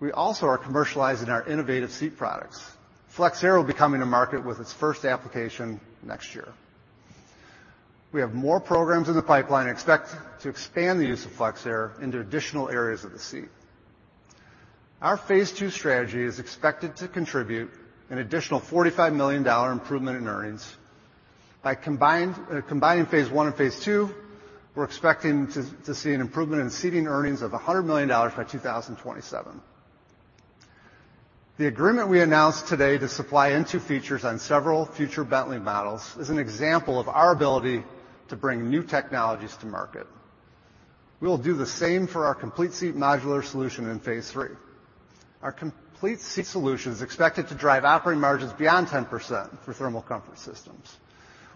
we also are commercializing our innovative seat products. FlexAir will be coming to market with its first application next year. We have more programs in the pipeline and expect to expand the use of FlexAir INTU additional areas of the seat. Our phase II strategy is expected to contribute an additional $45 million improvement in earnings. By combined, combining phase I and phase II, we're expecting to see an improvement in seating earnings of $100 million by 2027. The agreement we announced today to supply INTU features on several future Bentley models is an example of our ability to bring new technologies to market. We will do the same for our complete seat modular solution in phase III. Our complete seat solution is expected to drive operating margins beyond 10% for Thermal Comfort Systems.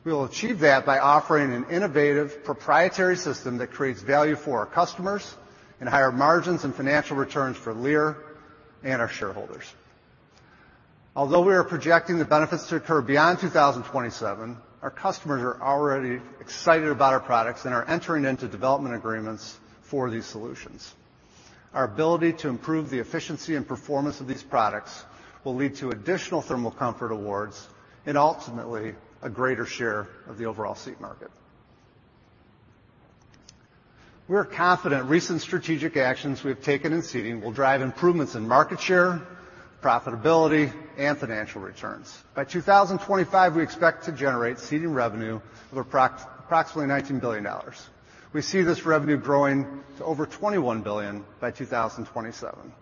We will achieve that by offering an innovative, proprietary system that creates value for our customers and higher margins and financial returns for Lear and our shareholders. Although we are projecting the benefits to occur beyond 2027, our customers are already excited about our products and are entering INTU development agreements for these solutions. Our ability to improve the efficiency and performance of these products will lead to additional Thermal Comfort awards and ultimately, a greater share of the overall seat market. We're confident recent strategic actions we have taken in seating will drive improvements in market share, profitability, and financial returns. By 2025, we expect to generate seating revenue of approximately $19 billion. We see this revenue growing to over $21 billion by 2027.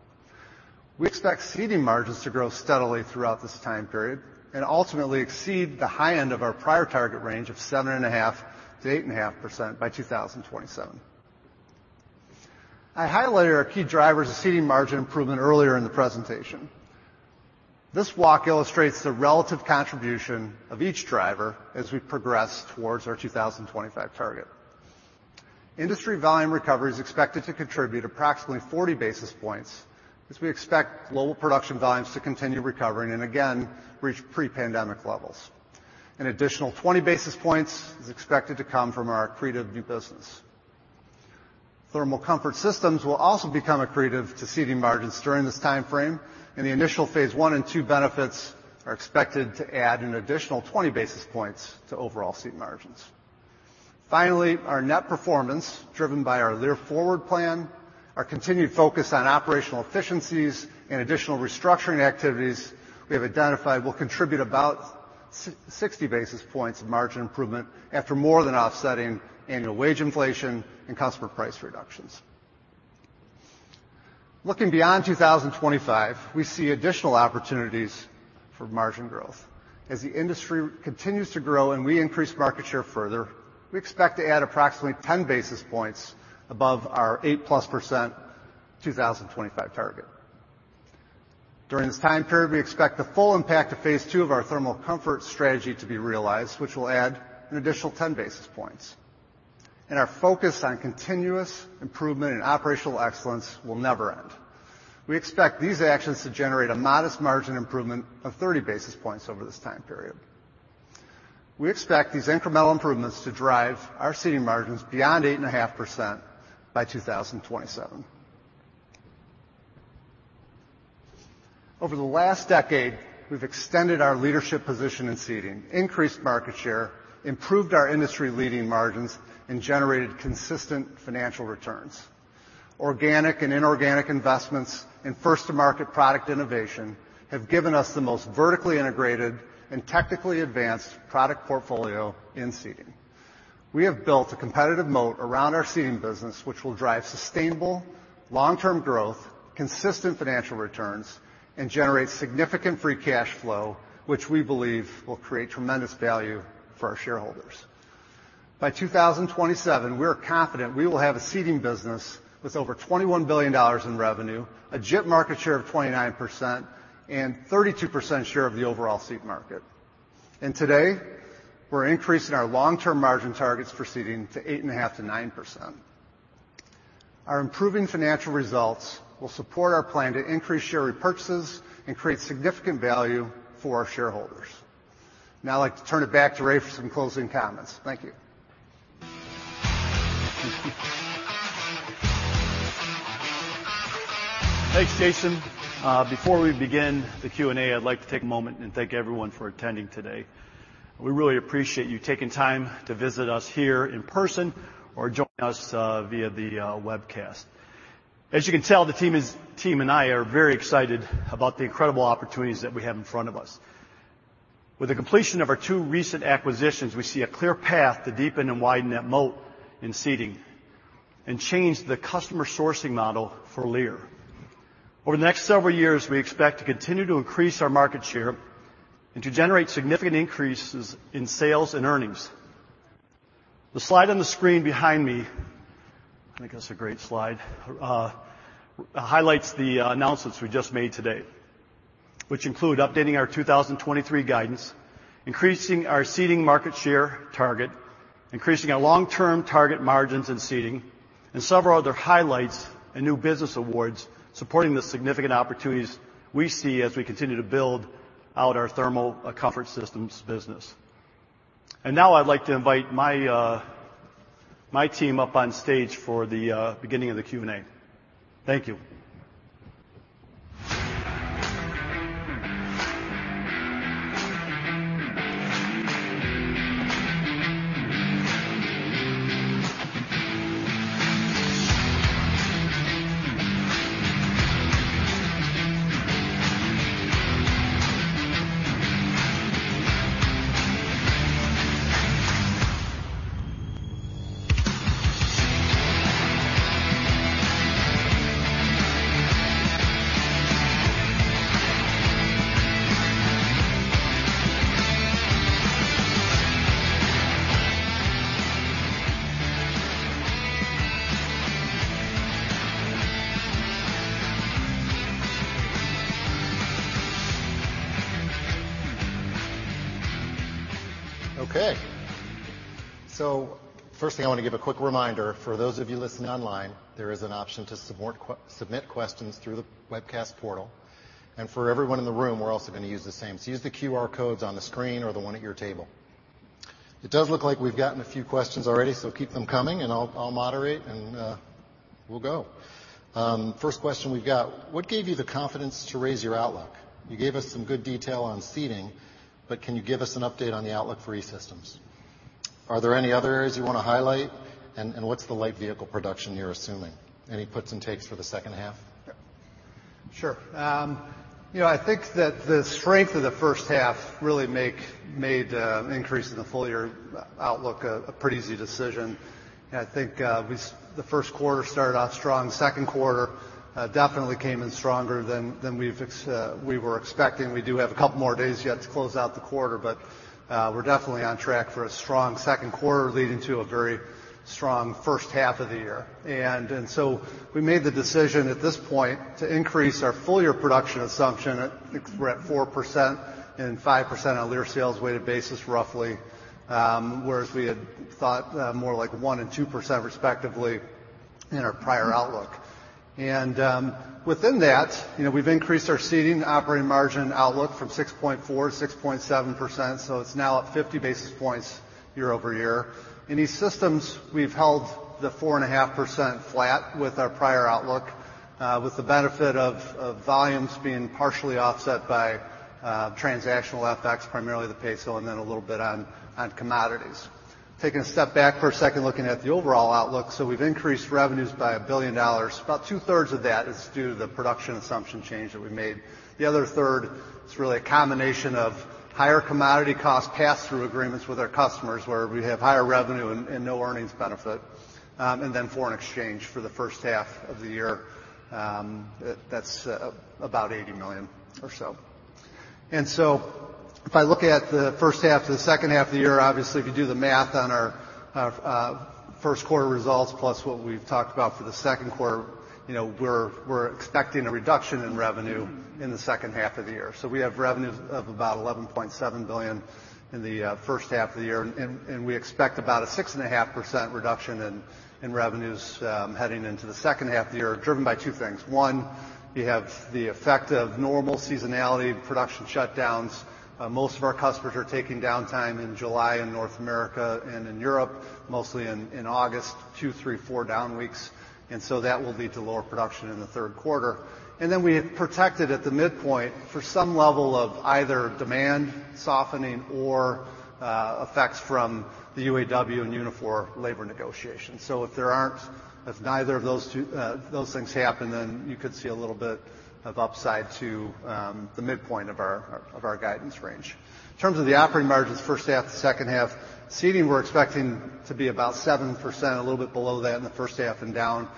We expect seating margins to grow steadily throughout this time period and ultimately exceed the high end of our prior target range of 7.5%-8.5% by 2027. I highlighted our key drivers of seating margin improvement earlier in the presentation. This walk illustrates the relative contribution of each driver as we progress towards our 2025 target. Industry volume recovery is expected to contribute approximately 40 basis points, as we expect global production volumes to continue recovering and again, reach pre-pandemic levels. An additional 20 basis points is expected to come from our accretive new business. Thermal Comfort Systems will also become accretive to seating margins during this time frame, and the initial phase I and II benefits are expected to add an additional 20 basis points to overall seat margins. Finally, our net performance, driven by our Lear Forward plan, our continued focus on operational efficiencies, and additional restructuring activities we have identified, will contribute about 60 basis points of margin improvement after more than offsetting annual wage inflation and customer price reductions. Looking beyond 2025, we see additional opportunities for margin growth. As the industry continues to grow and we increase market share further, we expect to add approximately 10 basis points above our 8+% 2025 target. During this time period, we expect the full impact of phase II of our Thermal Comfort strategy to be realized, which will add an additional 10 basis points. Our focus on continuous improvement and operational excellence will never end. We expect these actions to generate a modest margin improvement of 30 basis points over this time period. We expect these incremental improvements to drive our seating margins beyond 8.5% by 2027. Over the last decade, we've extended our leadership position in seating, increased market share, improved our industry-leading margins, and generated consistent financial returns. Organic and inorganic investments and first-to-market product innovation have given us the most vertically integrated and technically advanced product portfolio in seating. We have built a competitive moat around our Seating business, which will drive sustainable long-term growth, consistent financial returns, and generate significant free cash flow, which we believe will create tremendous value for our shareholders. By 2027, we are confident we will have a Seating business with over $21 billion in revenue, a J.D. Power market share of 29%, and 32% share of the overall seat market. Today, we're increasing our long-term margin targets for seating to 8.5%-9%. Our improving financial results will support our plan to increase share repurchases and create significant value for our shareholders. I'd like to turn it back to Ray for some closing comments. Thank you. Thanks, Jason. Before we begin the Q&A, I'd like to take a moment and thank everyone for attending today. We really appreciate you taking time to visit us here in person or join us via the webcast. As you can tell, the team and I are very excited about the incredible opportunities that we have in front of us. With the completion of our two recent acquisitions, we see a clear path to deepen and widen that moat in seating and change the customer sourcing model for Lear. Over the next several years, we expect to continue to increase our market share and to generate significant increases in sales and earnings. The slide on the screen behind me, I think that's a great slide, highlights the announcements we just made today, which include updating our 2023 guidance, increasing our seating market share target, increasing our long-term target margins in seating, and several other highlights and new business awards supporting the significant opportunities we see as we continue to build out our Thermal Comfort Systems business. Now I'd like to invite my team up on stage for the beginning of the Q&A. Thank you. First thing, I want to give a quick reminder. For those of you listening online, there is an option to submit questions through the webcast portal. For everyone in the room, we're also going to use the same. Use the QR codes on the screen or the one at your table. It does look like we've gotten a few questions already, keep them coming, and I'll moderate, we'll go. First question we've got: What gave you the confidence to raise your outlook? You gave us some good detail on seating, can you give us an update on the outlook for E-Systems? Are there any other areas you want to highlight? What's the light vehicle production you're assuming? Any puts and takes for the second half? Sure, you know, I think that the strength of the first half really made increase in the full year outlook a pretty easy decision. I think the first quarter started off strong. Second quarter definitely came in stronger than we were expecting. We do have a couple more days yet to close out the quarter, but we're definitely on track for a strong second quarter, leading to a very strong first half of the year. So we made the decision at this point to increase our full year production assumption. I think we're at 4% and 5% on Lear sales weighted basis, roughly, whereas we had thought more like 1% and 2% respectively in our prior outlook. Within that, you know, we've increased our seating operating margin outlook from 6.4% to 6.7%, so it's now at 50 basis points year-over-year. In E-Systems, we've held the 4.5% flat with our prior outlook, with the benefit of volumes being partially offset by transactional effects, primarily the peso and then a little bit on commodities. Taking a step back for a second, looking at the overall outlook, we've increased revenues by $1 billion. About two-thirds of that is due to the production assumption change that we made. The other third is really a combination of higher commodity costs, pass-through agreements with our customers, where we have higher revenue and no earnings benefit, and then foreign exchange for the first half of the year, that's about $80 million or so. If I look at the first half to the second half of the year, obviously, if you do the math on our first quarter results, plus what we've talked about for the second quarter, you know, we're expecting a reduction in revenue in the second half of the year. We have revenues of about $11.7 billion in the first half of the year, and we expect about a 6.5% reduction in revenues, heading into the second half of the year, driven by two things. One, you have the effect of normal seasonality, production shutdowns. Most of our customers are taking downtime in July in North America, and in Europe, mostly in August, 2, 3, 4 down weeks, that will lead to lower production in the third quarter. We have protected at the midpoint for some level of either demand softening or effects from the UAW and Unifor labor negotiations. If neither of those things happen, then you could see a little bit of upside to the midpoint of our guidance range. In terms of the operating margins, first half to second half, seating, we're expecting to be about 7%, a little bit below that in the first half and down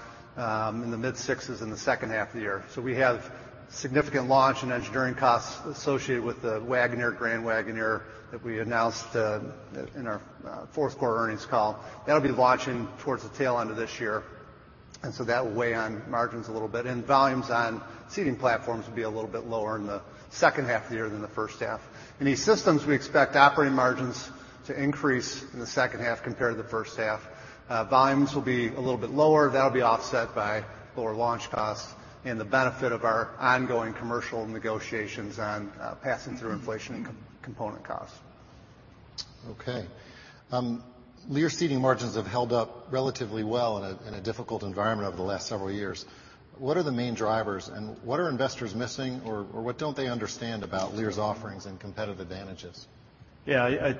in the mid-6s in the second half of the year. We have significant launch and engineering costs associated with the Wagoneer, Grand Wagoneer that we announced in our fourth quarter earnings call. That'll be launching towards the tail end of this year, and so that will weigh on margins a little bit, and volumes on seating platforms will be a little bit lower in the second half of the year than the first half. In E-Systems, we expect operating margins to increase in the second half compared to the first half. Volumes will be a little bit lower. That'll be offset by lower launch costs and the benefit of our ongoing commercial negotiations on passing through inflation and component costs. Okay, Lear seating margins have held up relatively well in a difficult environment over the last several years. What are the main drivers, and what are investors missing, or what don't they understand about Lear's offerings and competitive advantages? Yeah, I...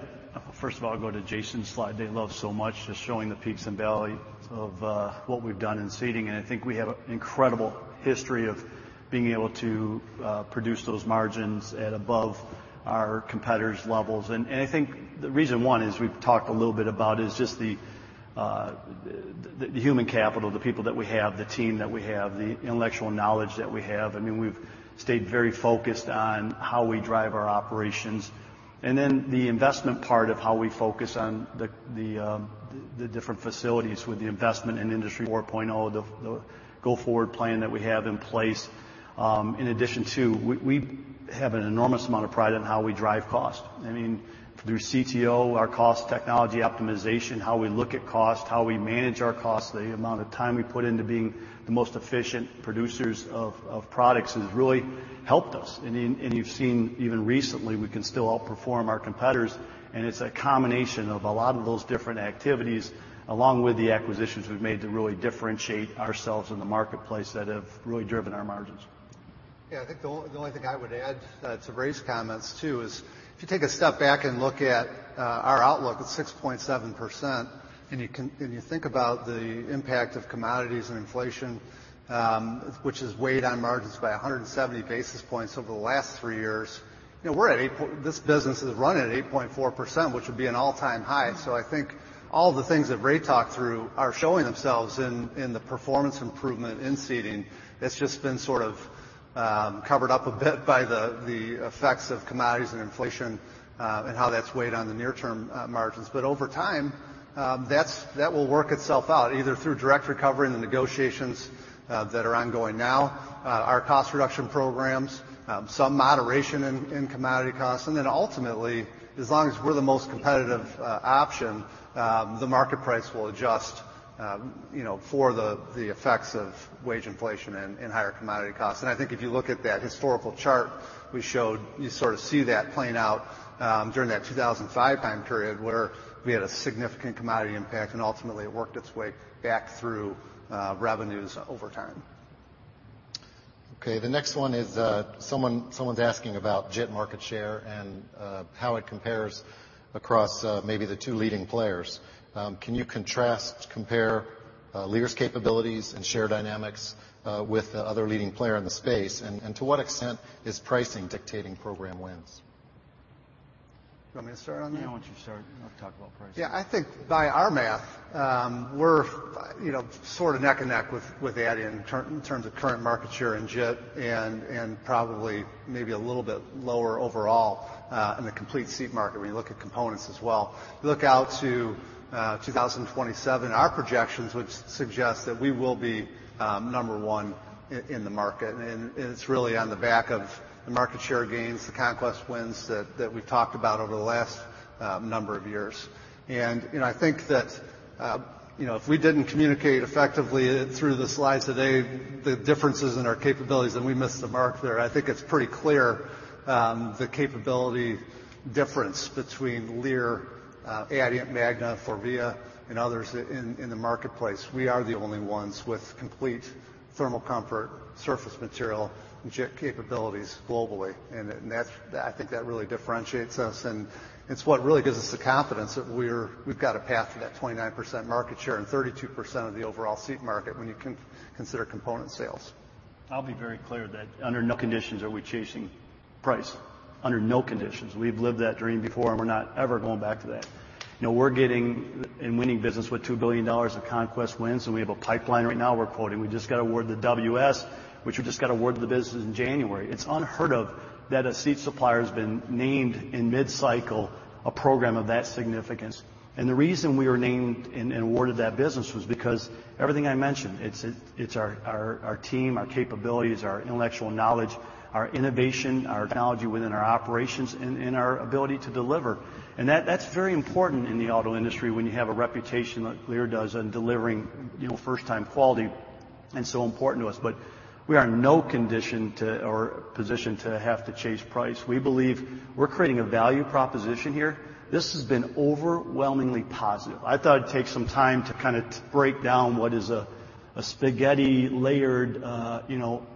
First of all, go to Jason's slide they love so much, just showing the peaks and valleys of what we've done in seating. I think we have an incredible history of being able to produce those margins at above our competitors' levels. I think the reason, one, is we've talked a little bit about is just the human capital, the people that we have, the team that we have, the intellectual knowledge that we have. I mean, we've stayed very focused on how we drive our operations, and then the investment part of how we focus on the different facilities with the investment in Industry 4.0, the go-forward plan that we have in place. In addition to, we have an enormous amount of pride in how we drive cost. I mean, through CTO, our cost technology optimization, how we look at cost, how we manage our costs, the amount of time we put INTU being the most efficient producers of products has really helped us. You've seen even recently, we can still outperform our competitors, and it's a combination of a lot of those different activities, along with the acquisitions we've made to really differentiate ourselves in the marketplace that have really driven our margins. I think the only, the only thing I would add to Ray's comments, too, is if you take a step back and look at our outlook at 6.7%, and you think about the impact of commodities and inflation, which is weighed on margins by 170 basis points over the last 3 years, you know, this business is running at 8.4%, which would be an all-time high. I think all the things that Ray talked through are showing themselves in the performance improvement in Seating. It's just been sort of covered up a bit by the effects of commodities and inflation, and how that's weighed on the near-term margins. Over time, that will work itself out, either through direct recovery and the negotiations that are ongoing now, our cost reduction programs, some moderation in commodity costs, and then ultimately, as long as we're the most competitive option, the market price will adjust, you know, for the effects of wage inflation and higher commodity costs. I think if you look at that historical chart we showed, you sort of see that playing out during that 2005 time period, where we had a significant commodity impact, and ultimately, it worked its way back through revenues over time. Okay, the next one is, someone's asking about JIT market share and how it compares across, maybe the two leading players. Can you contrast, compare, Lear's capabilities and share dynamics with the other leading player in the space? To what extent is pricing dictating program wins?... You want me to start on that? Yeah, I want you to start. I'll talk about pricing. Yeah, I think by our math, we're, you know, sort of neck and neck with Adient in terms of current market share in JIT, and probably maybe a little bit lower overall in the complete seat market when you look at components as well. Look out to 2027, our projections would suggest that we will be number one in the market, and it's really on the back of the market share gains, the conquest wins that we've talked about over the last number of years. you know, I think that, you know, if we didn't communicate effectively through the slides today, the differences in our capabilities, then we missed the mark there. I think it's pretty clear the capability difference between Lear, Adient, Magna, Forvia, and others in the marketplace. We are the only ones with complete thermal comfort, surface material, and JIT capabilities globally. I think that really differentiates us, and it's what really gives us the confidence that we've got a path to that 29% market share and 32% of the overall seat market when you consider component sales. I'll be very clear that under no conditions are we chasing price. Under no conditions. We've lived that dream before, and we're not ever going back to that. You know, we're getting and winning business with $2 billion of conquest wins, and we have a pipeline right now we're quoting. We just got awarded the WS, which we just got awarded the business in January. It's unheard of that a seat supplier has been named in mid-cycle, a program of that significance. The reason we were named and awarded that business was because everything I mentioned, it's our team, our capabilities, our intellectual knowledge, our innovation, our technology within our operations, and our ability to deliver. That's very important in the auto industry when you have a reputation like Lear does on delivering, you know, first-time quality, and so important to us. We are in no condition or position to have to chase price. We believe we're creating a value proposition here. This has been overwhelmingly positive. I thought it'd take some time to kind of break down what is a spaghetti-layered, you know,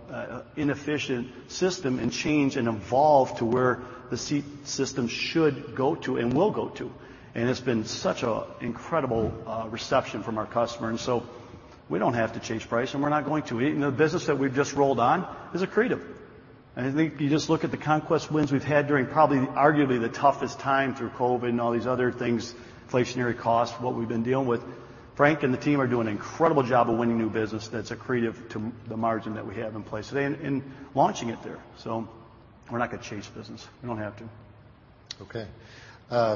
inefficient system, and change and evolve to where the seat system should go to and will go to. It's been such a incredible reception from our customer, and so we don't have to chase price, and we're not going to. Even the business that we've just rolled on is accretive. I think if you just look at the conquest wins we've had during probably arguably the toughest time through COVID and all these other things, inflationary costs, what we've been dealing with, Frank and the team are doing an incredible job of winning new business that's accretive to the margin that we have in place today and launching it there. We're not gonna chase business. We don't have to. Okay,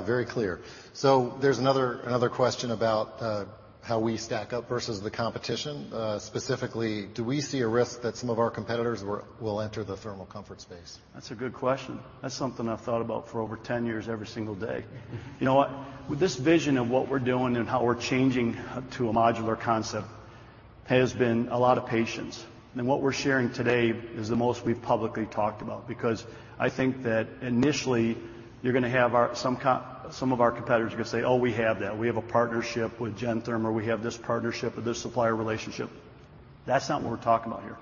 very clear. There's another question about how we stack up versus the competition. Specifically, do we see a risk that some of our competitors will enter the thermal comfort space? That's a good question. That's something I've thought about for over 10 years, every single day. You know what? With this vision of what we're doing and how we're changing to a modular concept has been a lot of patience, and what we're sharing today is the most we've publicly talked about. I think that initially, you're gonna have some of our competitors are gonna say, "Oh, we have that. We have a partnership with Gentherm, or we have this partnership with this supplier relationship." That's not what we're talking about here.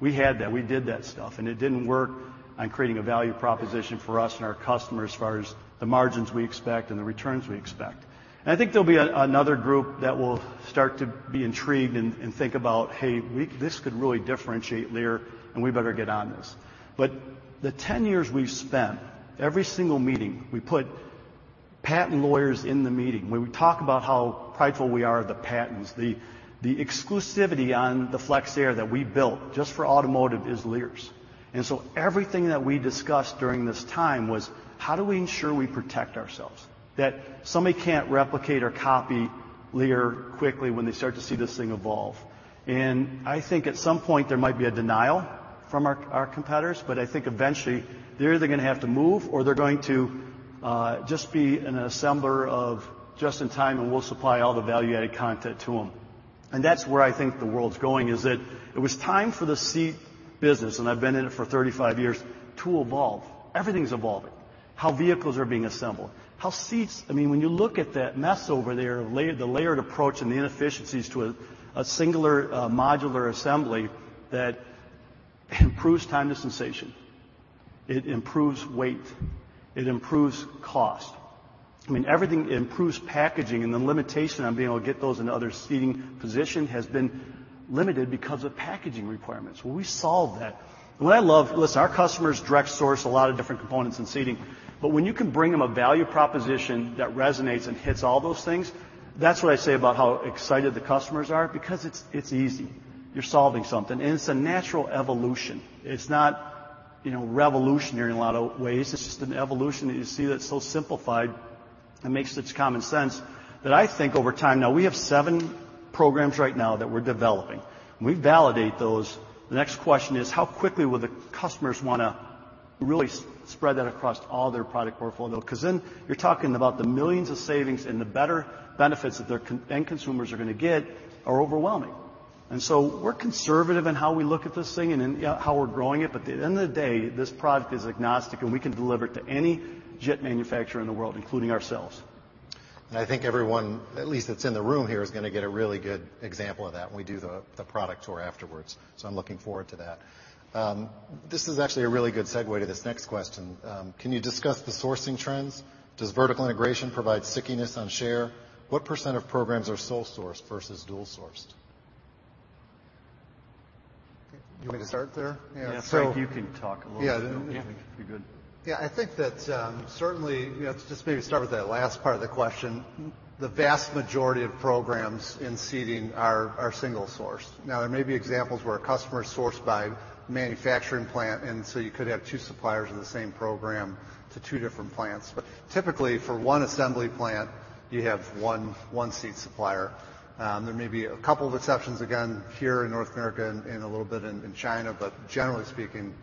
We had that. We did that stuff. It didn't work on creating a value proposition for us and our customers as far as the margins we expect and the returns we expect. I think there'll be another group that will start to be intrigued and think about, "Hey, this could really differentiate Lear, and we better get on this." The 10 years we've spent, every single meeting, we put patent lawyers in the meeting, where we talk about how prideful we are of the patents. The exclusivity on the FlexAir that we built just for automotive is Lear's. Everything that we discussed during this time was: How do we ensure we protect ourselves, that somebody can't replicate or copy Lear quickly when they start to see this thing evolve? I think at some point, there might be a denial from our competitors, but I think eventually, they're either gonna have to move, or they're going to just be an assembler of just-in-time, and we'll supply all the value-added content to them. That's where I think the world's going, is that it was time for the seat business, and I've been in it for 35 years, to evolve. Everything's evolving. How vehicles are being assembled, I mean, when you look at that mess over there, the layered approach and the inefficiencies to a singular modular assembly that improves time to sensation. It improves weight, it improves cost. I mean, everything... improves packaging, the limitation on being able to get those INTU other seating position has been limited because of packaging requirements. Well, we solved that. What I love, listen, our customers direct source a lot of different components in seating, when you can bring them a value proposition that resonates and hits all those things, that's what I say about how excited the customers are because it's easy. You're solving something. It's not, you know, revolutionary in a lot of ways. It's just an evolution that you see that's so simplified and makes such common sense, that I think over time... We have seven programs right now that we're developing. When we validate those, the next question is: How quickly will the customers wanna really spread that across all their product portfolio? You're talking about the millions of savings and the better benefits that their end consumers are gonna get are overwhelming. We're conservative in how we look at this thing and in, yeah, how we're growing it, but at the end of the day, this product is agnostic, and we can deliver it to any JIT manufacturer in the world, including ourselves. I think everyone, at least that's in the room here, is gonna get a really good example of that when we do the product tour afterwards, so I'm looking forward to that. This is actually a really good segue to this next question. Can you discuss the sourcing trends? Does vertical integration provide stickiness on share? What % of programs are sole sourced versus dual sourced? ... You want me to start there? Yeah. Yeah, Frank, you can talk a little. Yeah. That'd be good. Yeah, I think that, certainly, you know, just maybe start with that last part of the question. The vast majority of programs in seating are single source. There may be examples where a customer is sourced by manufacturing plant, and so you could have two suppliers in the same program to two different plants. Typically, for one assembly plant, you have one seat supplier. There may be a couple of exceptions, again, here in North America and a little bit in China, but generally speaking,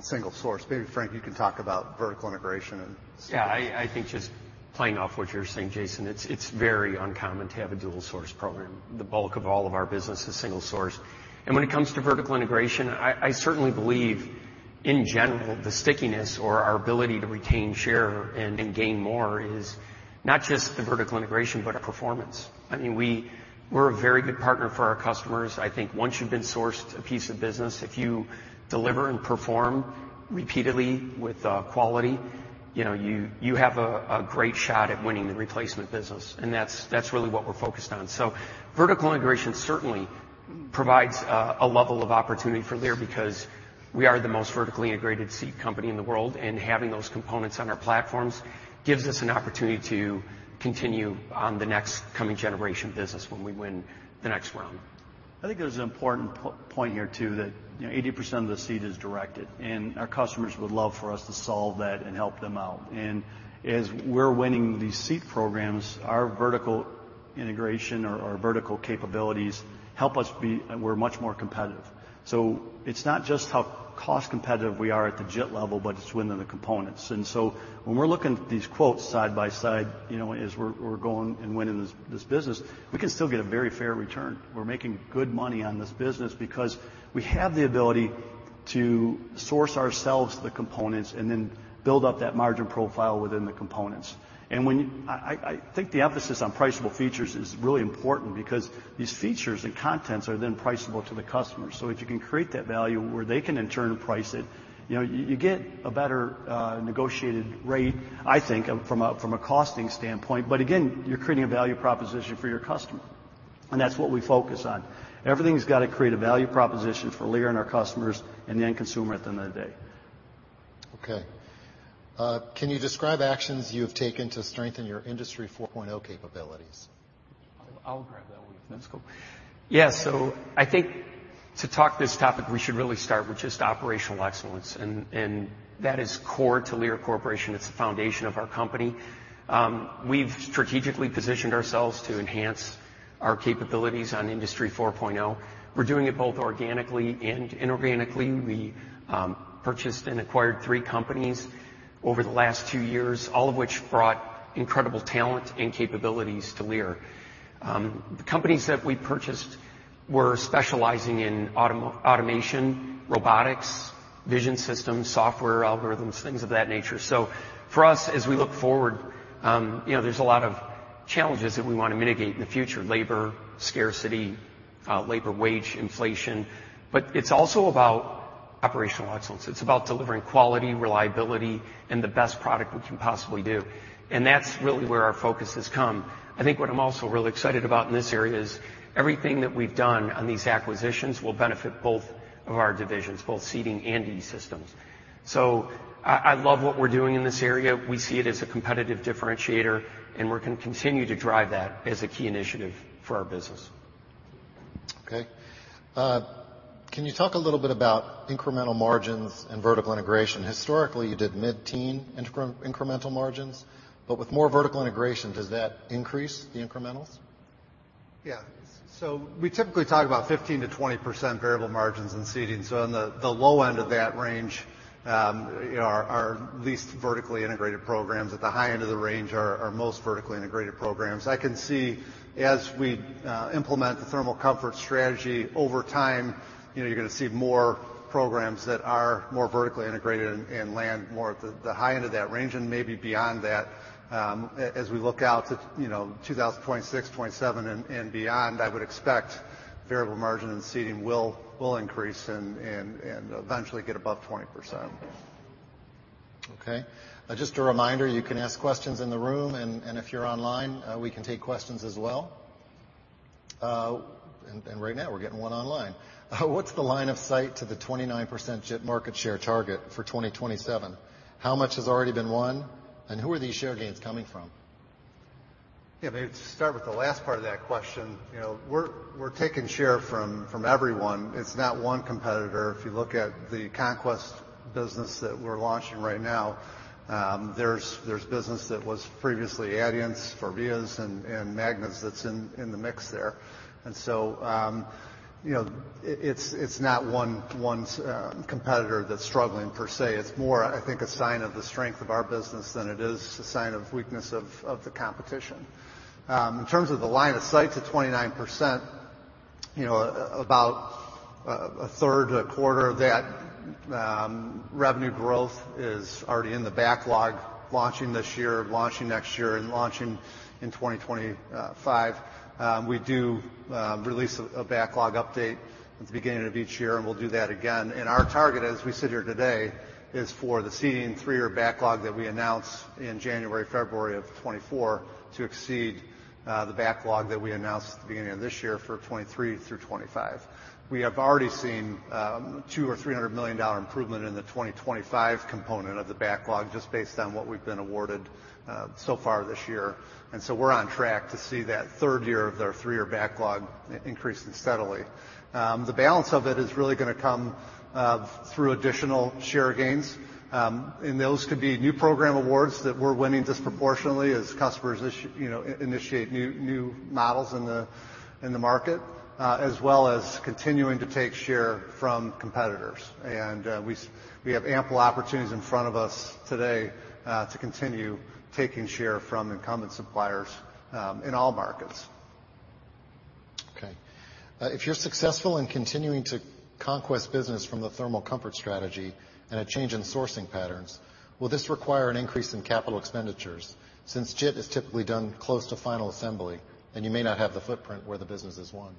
single source. Maybe, Frank, you can talk about vertical integration. I think just playing off what you're saying, Jason, it's very uncommon to have a dual source program. The bulk of all of our business is single source. When it comes to vertical integration, I certainly believe, in general, the stickiness or our ability to retain share and gain more is not just the vertical integration, but our performance. I mean, we're a very good partner for our customers. I think once you've been sourced a piece of business, if you deliver and perform repeatedly with quality, you know, you have a great shot at winning the replacement business, and that's really what we're focused on. Vertical integration certainly provides a level of opportunity for Lear, because we are the most vertically integrated seat company in the world, and having those components on our platforms gives us an opportunity to continue on the next coming generation business when we win the next round. I think there's an important point here, too, that, you know, 80% of the seat is directed, and our customers would love for us to solve that and help them out. As we're winning these seat programs, our vertical integration or our vertical capabilities help us. We're much more competitive. It's not just how cost competitive we are at the JIT level, but it's within the components. When we're looking at these quotes side by side, you know, as we're going and winning this business, we can still get a very fair return. We're making good money on this business because we have the ability to source ourselves the components and then build up that margin profile within the components. I think the emphasis on priceable features is really important because these features and contents are then priceable to the customer. If you can create that value where they can in turn price it, you know, you get a better negotiated rate, I think, from a costing standpoint. Again, you're creating a value proposition for your customer, and that's what we focus on. Everything's got to create a value proposition for Lear and our customers and the end consumer at the end of the day. Can you describe actions you have taken to strengthen your Industry 4.0 capabilities? I'll grab that one. That's cool. Yeah, I think to talk this topic, we should really start with just operational excellence, and that is core to Lear Corporation. It's the foundation of our company. We've strategically positioned ourselves to enhance our capabilities on Industry 4.0. We're doing it both organically and inorganically. We purchased and acquired three companies over the last two years, all of which brought incredible talent and capabilities to Lear. The companies that we purchased were specializing in automation, robotics, vision systems, software, algorithms, things of that nature. For us, as we look forward, you know, there's a lot of challenges that we want to mitigate in the future: labor, scarcity, labor wage, inflation. It's also about operational excellence. It's about delivering quality, reliability, and the best product we can possibly do. That's really where our focus has come. I think what I'm also really excited about in this area is everything that we've done on these acquisitions will benefit both of our divisions, both Seating and E-Systems. I love what we're doing in this area. We see it as a competitive differentiator. We're gonna continue to drive that as a key initiative for our business. Okay. Can you talk a little bit about incremental margins and vertical integration? Historically, you did mid-teen incremental margins, with more vertical integration, does that increase the incrementals? Yeah. We typically talk about 15%-20% variable margins in seating. On the low end of that range, you know, are least vertically integrated programs. At the high end of the range are most vertically integrated programs. I can see as we implement the thermal comfort strategy over time, you know, you're gonna see more programs that are more vertically integrated and land more at the high end of that range and maybe beyond that. As we look out to, you know, 2026, 2027, and beyond, I would expect variable margin and seating will increase and eventually get above 20%. Okay. Just a reminder, you can ask questions in the room, and if you're online, we can take questions as well. Right now, we're getting one online. What's the line of sight to the 29% JIT market share target for 2027? How much has already been won, and who are these share gains coming from? Yeah, maybe to start with the last part of that question, you know, we're taking share from everyone. It's not one competitor. If you look at the conquest business that we're launching right now, there's business that was previously Adient's, Faurecia's and Magna's that's in the mix there. You know, it's not one's competitor that's struggling per se. It's more, I think, a sign of the strength of our business than it is a sign of weakness of the competition. In terms of the line of sight to 29%-... you know, about a 1/3 to 1/4 of that revenue growth is already in the backlog, launching this year, launching next year, and launching in 2025. We do release a backlog update at the beginning of each year, and we'll do that again. Our target, as we sit here today, is for the seating three-year backlog that we announced in January, February of 2024 to exceed the backlog that we announced at the beginning of this year for 2023 through 2025. We have already seen $200 million-$300 million improvement in the 2025 component of the backlog, just based on what we've been awarded so far this year, so we're on track to see that third year of their three-year backlog increasing steadily. The balance of it is really gonna come through additional share gains. Those could be new program awards that we're winning disproportionately as customers you know, initiate new models in the market, as well as continuing to take share from competitors. We have ample opportunities in front of us today, to continue taking share from incumbent suppliers, in all markets. Okay. If you're successful in continuing to conquest business from the thermal comfort strategy and a change in sourcing patterns, will this require an increase in capital expenditures, since JIT is typically done close to final assembly, and you may not have the footprint where the business is won?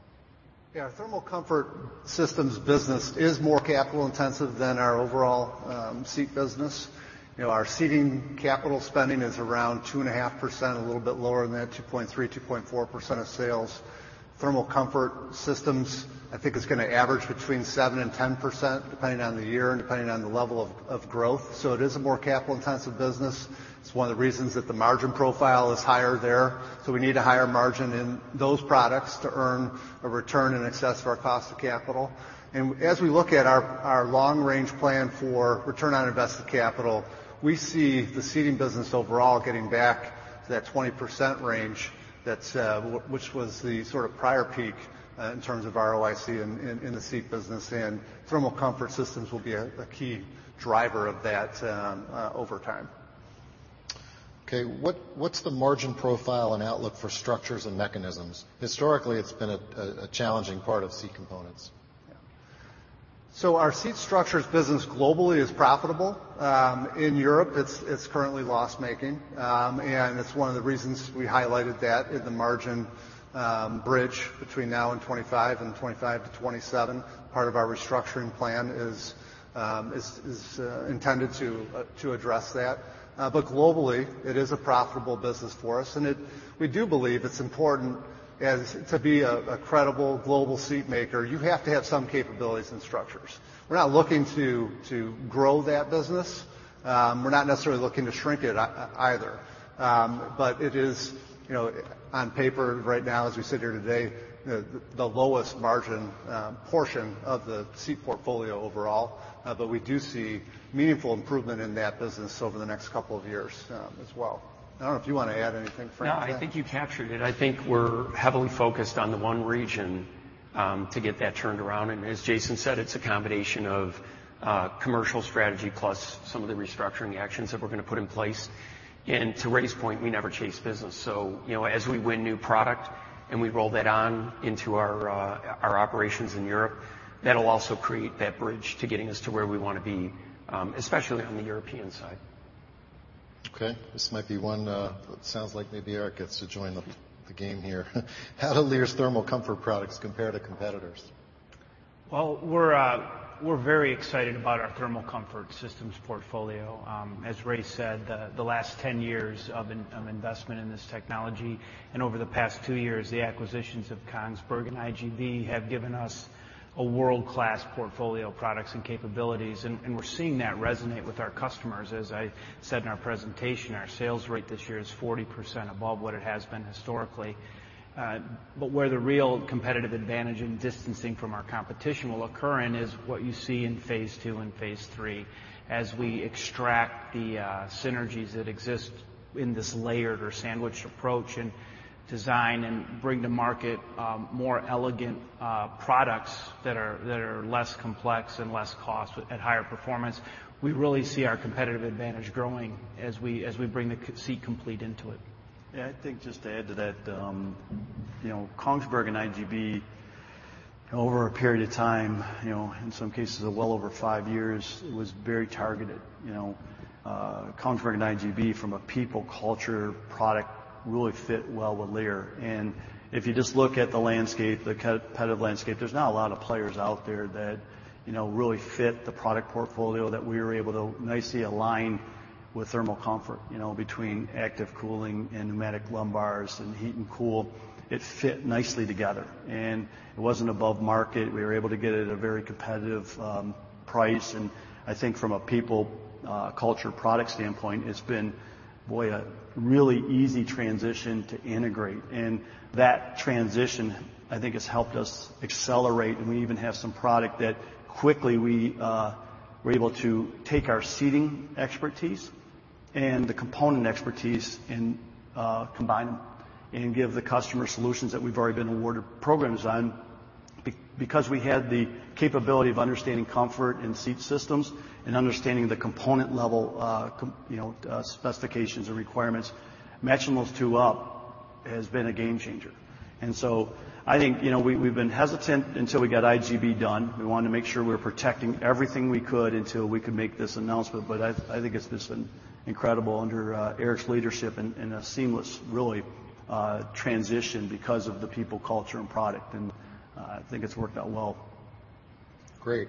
Our Thermal Comfort Systems business is more capital-intensive than our overall seat business. You know, our seating capital spending is around 2.5%, a little bit lower than that, 2.3%, 2.4% of sales. Thermal Comfort Systems, I think, is gonna average between 7% and 10%, depending on the year and depending on the level of growth. It is a more capital-intensive business. It's one of the reasons that the margin profile is higher there. We need a higher margin in those products to earn a return in excess of our cost of capital. As we look at our long-range plan for return on invested capital, we see the Seating business overall getting back to that 20% range that's which was the sort of prior peak in terms of ROIC in the seat business, and Thermal Comfort Systems will be a key driver of that over time. What's the margin profile and outlook for structures and mechanisms? Historically, it's been a challenging part of seat components. Our seat structures business globally is profitable. In Europe, it's currently loss-making, and it's one of the reasons we highlighted that in the margin bridge between now and 25, and 25 to 27. Part of our restructuring plan is intended to address that. Globally, it is a profitable business for us, and we do believe it's important to be a credible global seat maker, you have to have some capabilities and structures. We're not looking to grow that business, we're not necessarily looking to shrink it either. It is, you know, on paper right now, as we sit here today, the lowest margin portion of the seat portfolio overall, but we do see meaningful improvement in that business over the next couple of years, as well. I don't know if you want to add anything, Frank? No, I think you captured it. I think we're heavily focused on the one region to get that turned around. As Jason said, it's a combination of commercial strategy plus some of the restructuring actions that we're gonna put in place. To Ray's point, we never chase business. As we win new product and we roll that on INTU our operations in Europe, that'll also create that bridge to getting us to where we wanna be, especially on the European side. This might be one that sounds like maybe Eric gets to join the game here. How do Lear's thermal comfort products compare to competitors? Well, we're very excited about our Thermal Comfort Systems portfolio. As Ray said, the last 10 years of investment in this technology and over the past 2 years, the acquisitions of Kongsberg and IGB have given us a world-class portfolio of products and capabilities, and we're seeing that resonate with our customers. As I said in our presentation, our sales rate this year is 40% above what it has been historically. Where the real competitive advantage and distancing from our competition will occur in is what you see in phase II and phase III, as we extract the synergies that exist in this layered or sandwiched approach, and design and bring to market, more elegant products that are less complex and less cost, at higher performance. We really see our competitive advantage growing as we bring the seat complete INTU it. I think just to add to that, you know, Kongsberg and IGB, over a period of time, you know, in some cases well over 5 years, was very targeted, you know. Kongsberg and IGB, from a people, culture, product, really fit well with Lear. If you just look at the landscape, the competitive landscape, there's not a lot of players out there that, you know, really fit the product portfolio that we were able to nicely align with thermal comfort, you know, between active cooling and pneumatic lumbars and heat and cool. It fit nicely together, it wasn't above market. We were able to get it at a very competitive price, and I think from a people, culture, product standpoint, it's been, boy, a really easy transition to integrate. That transition, I think, has helped us accelerate, and we even have some product that quickly we were able to take our seating expertise and the component expertise and combine them and give the customer solutions that we've already been awarded programs on. Because we had the capability of understanding comfort and seat systems and understanding the component level, you know, specifications and requirements, matching those two up has been a game changer. I think, you know, we've been hesitant until we got IGB done. We wanted to make sure we were protecting everything we could until we could make this announcement, but I think it's just been incredible under Eric's leadership and a seamless, really, transition because of the people, culture, and product, and I think it's worked out well. Great.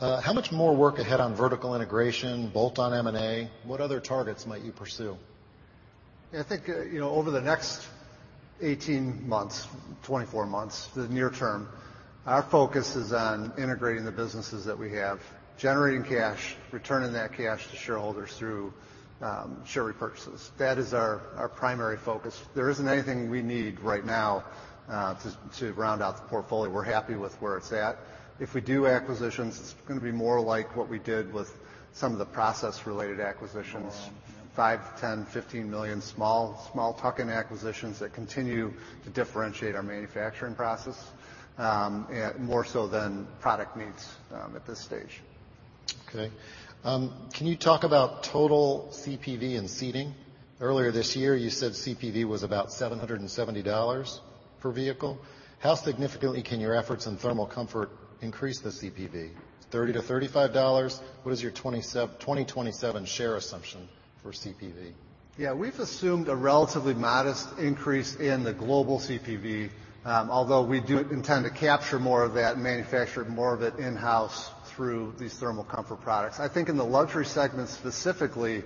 How much more work ahead on vertical integration, bolt-on M&A? What other targets might you pursue? I think, you know, over the next 18 months, 24 months, the near term, our focus is on integrating the businesses that we have, generating cash, returning that cash to shareholders through share repurchases. That is our primary focus. There isn't anything we need right now, to round out the portfolio. We're happy with where it's at. If we do acquisitions, it's gonna be more like what we did with some of the process-related acquisitions, $5 million-$10 million, $15 million, small tuck-in acquisitions that continue to differentiate our manufacturing process, more so than product needs at this stage. Okay. Can you talk about total CPV and seating? Earlier this year, you said CPV was about $770 per vehicle. How significantly can your efforts in thermal comfort increase the CPV? $30-$35? What is your 2027 share assumption for CPV? Yeah, we've assumed a relatively modest increase in the global CPV, although we do intend to capture more of that and manufacture more of it in-house through these thermal comfort products. I think in the luxury segment, specifically,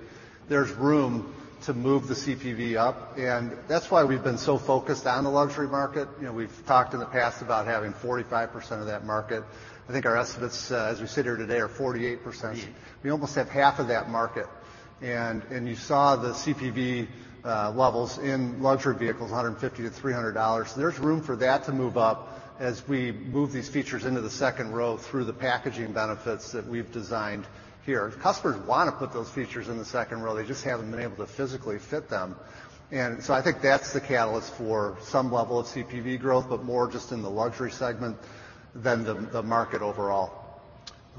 there's room to move the CPV up, and that's why we've been so focused on the luxury market. You know, we've talked in the past about having 45% of that market. I think our estimates, as we sit here today, are 48%. We almost have half of that market, and you saw the CPV levels in luxury vehicles, $150-$300. There's room for that to move up as we move these features INTU the second row through the packaging benefits that we've designed here. Customers wanna put those features in the second row, they just haven't been able to physically fit them. I think that's the catalyst for some level of CPV growth, but more just in the luxury segment than the market overall.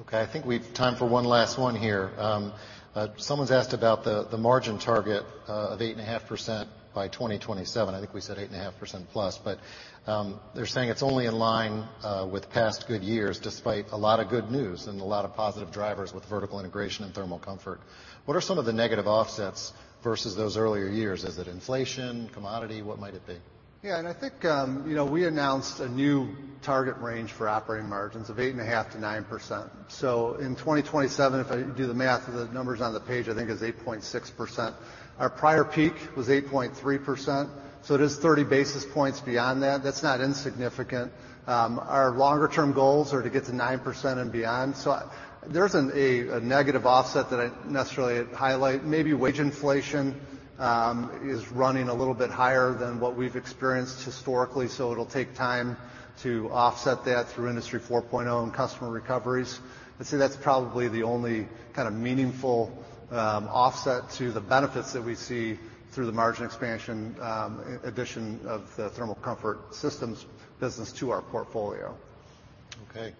Okay, I think we've time for one last one here. Someone's asked about the margin target of 8.5% by 2027. I think we said 8.5%+. They're saying it's only in line with past good years, despite a lot of good news and a lot of positive drivers with vertical integration and Thermal Comfort. What are some of the negative offsets versus those earlier years? Is it inflation, commodity? What might it be? Yeah, I think, you know, we announced a new target range for operating margins of 8.5%-9%. In 2027, if I do the math, the numbers on the page, I think, is 8.6%. Our prior peak was 8.3%, so it is 30 basis points beyond that. That's not insignificant. Our longer term goals are to get to 9% and beyond. There isn't a negative offset that I'd necessarily highlight. Maybe wage inflation is running a little bit higher than what we've experienced historically, so it'll take time to offset that through Industry 4.0 and customer recoveries. I'd say that's probably the only kind of meaningful offset to the benefits that we see through the margin expansion, addition of the Thermal Comfort Systems business to our portfolio. Okay.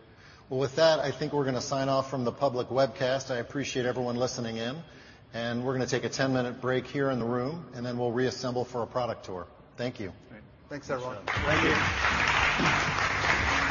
Well, with that, I think we're gonna sign off from the public webcast. I appreciate everyone listening in, and we're gonna take a 10-minute break here in the room, and then we'll reassemble for a product tour. Thank you. Great. Thanks, everyone. Thank you.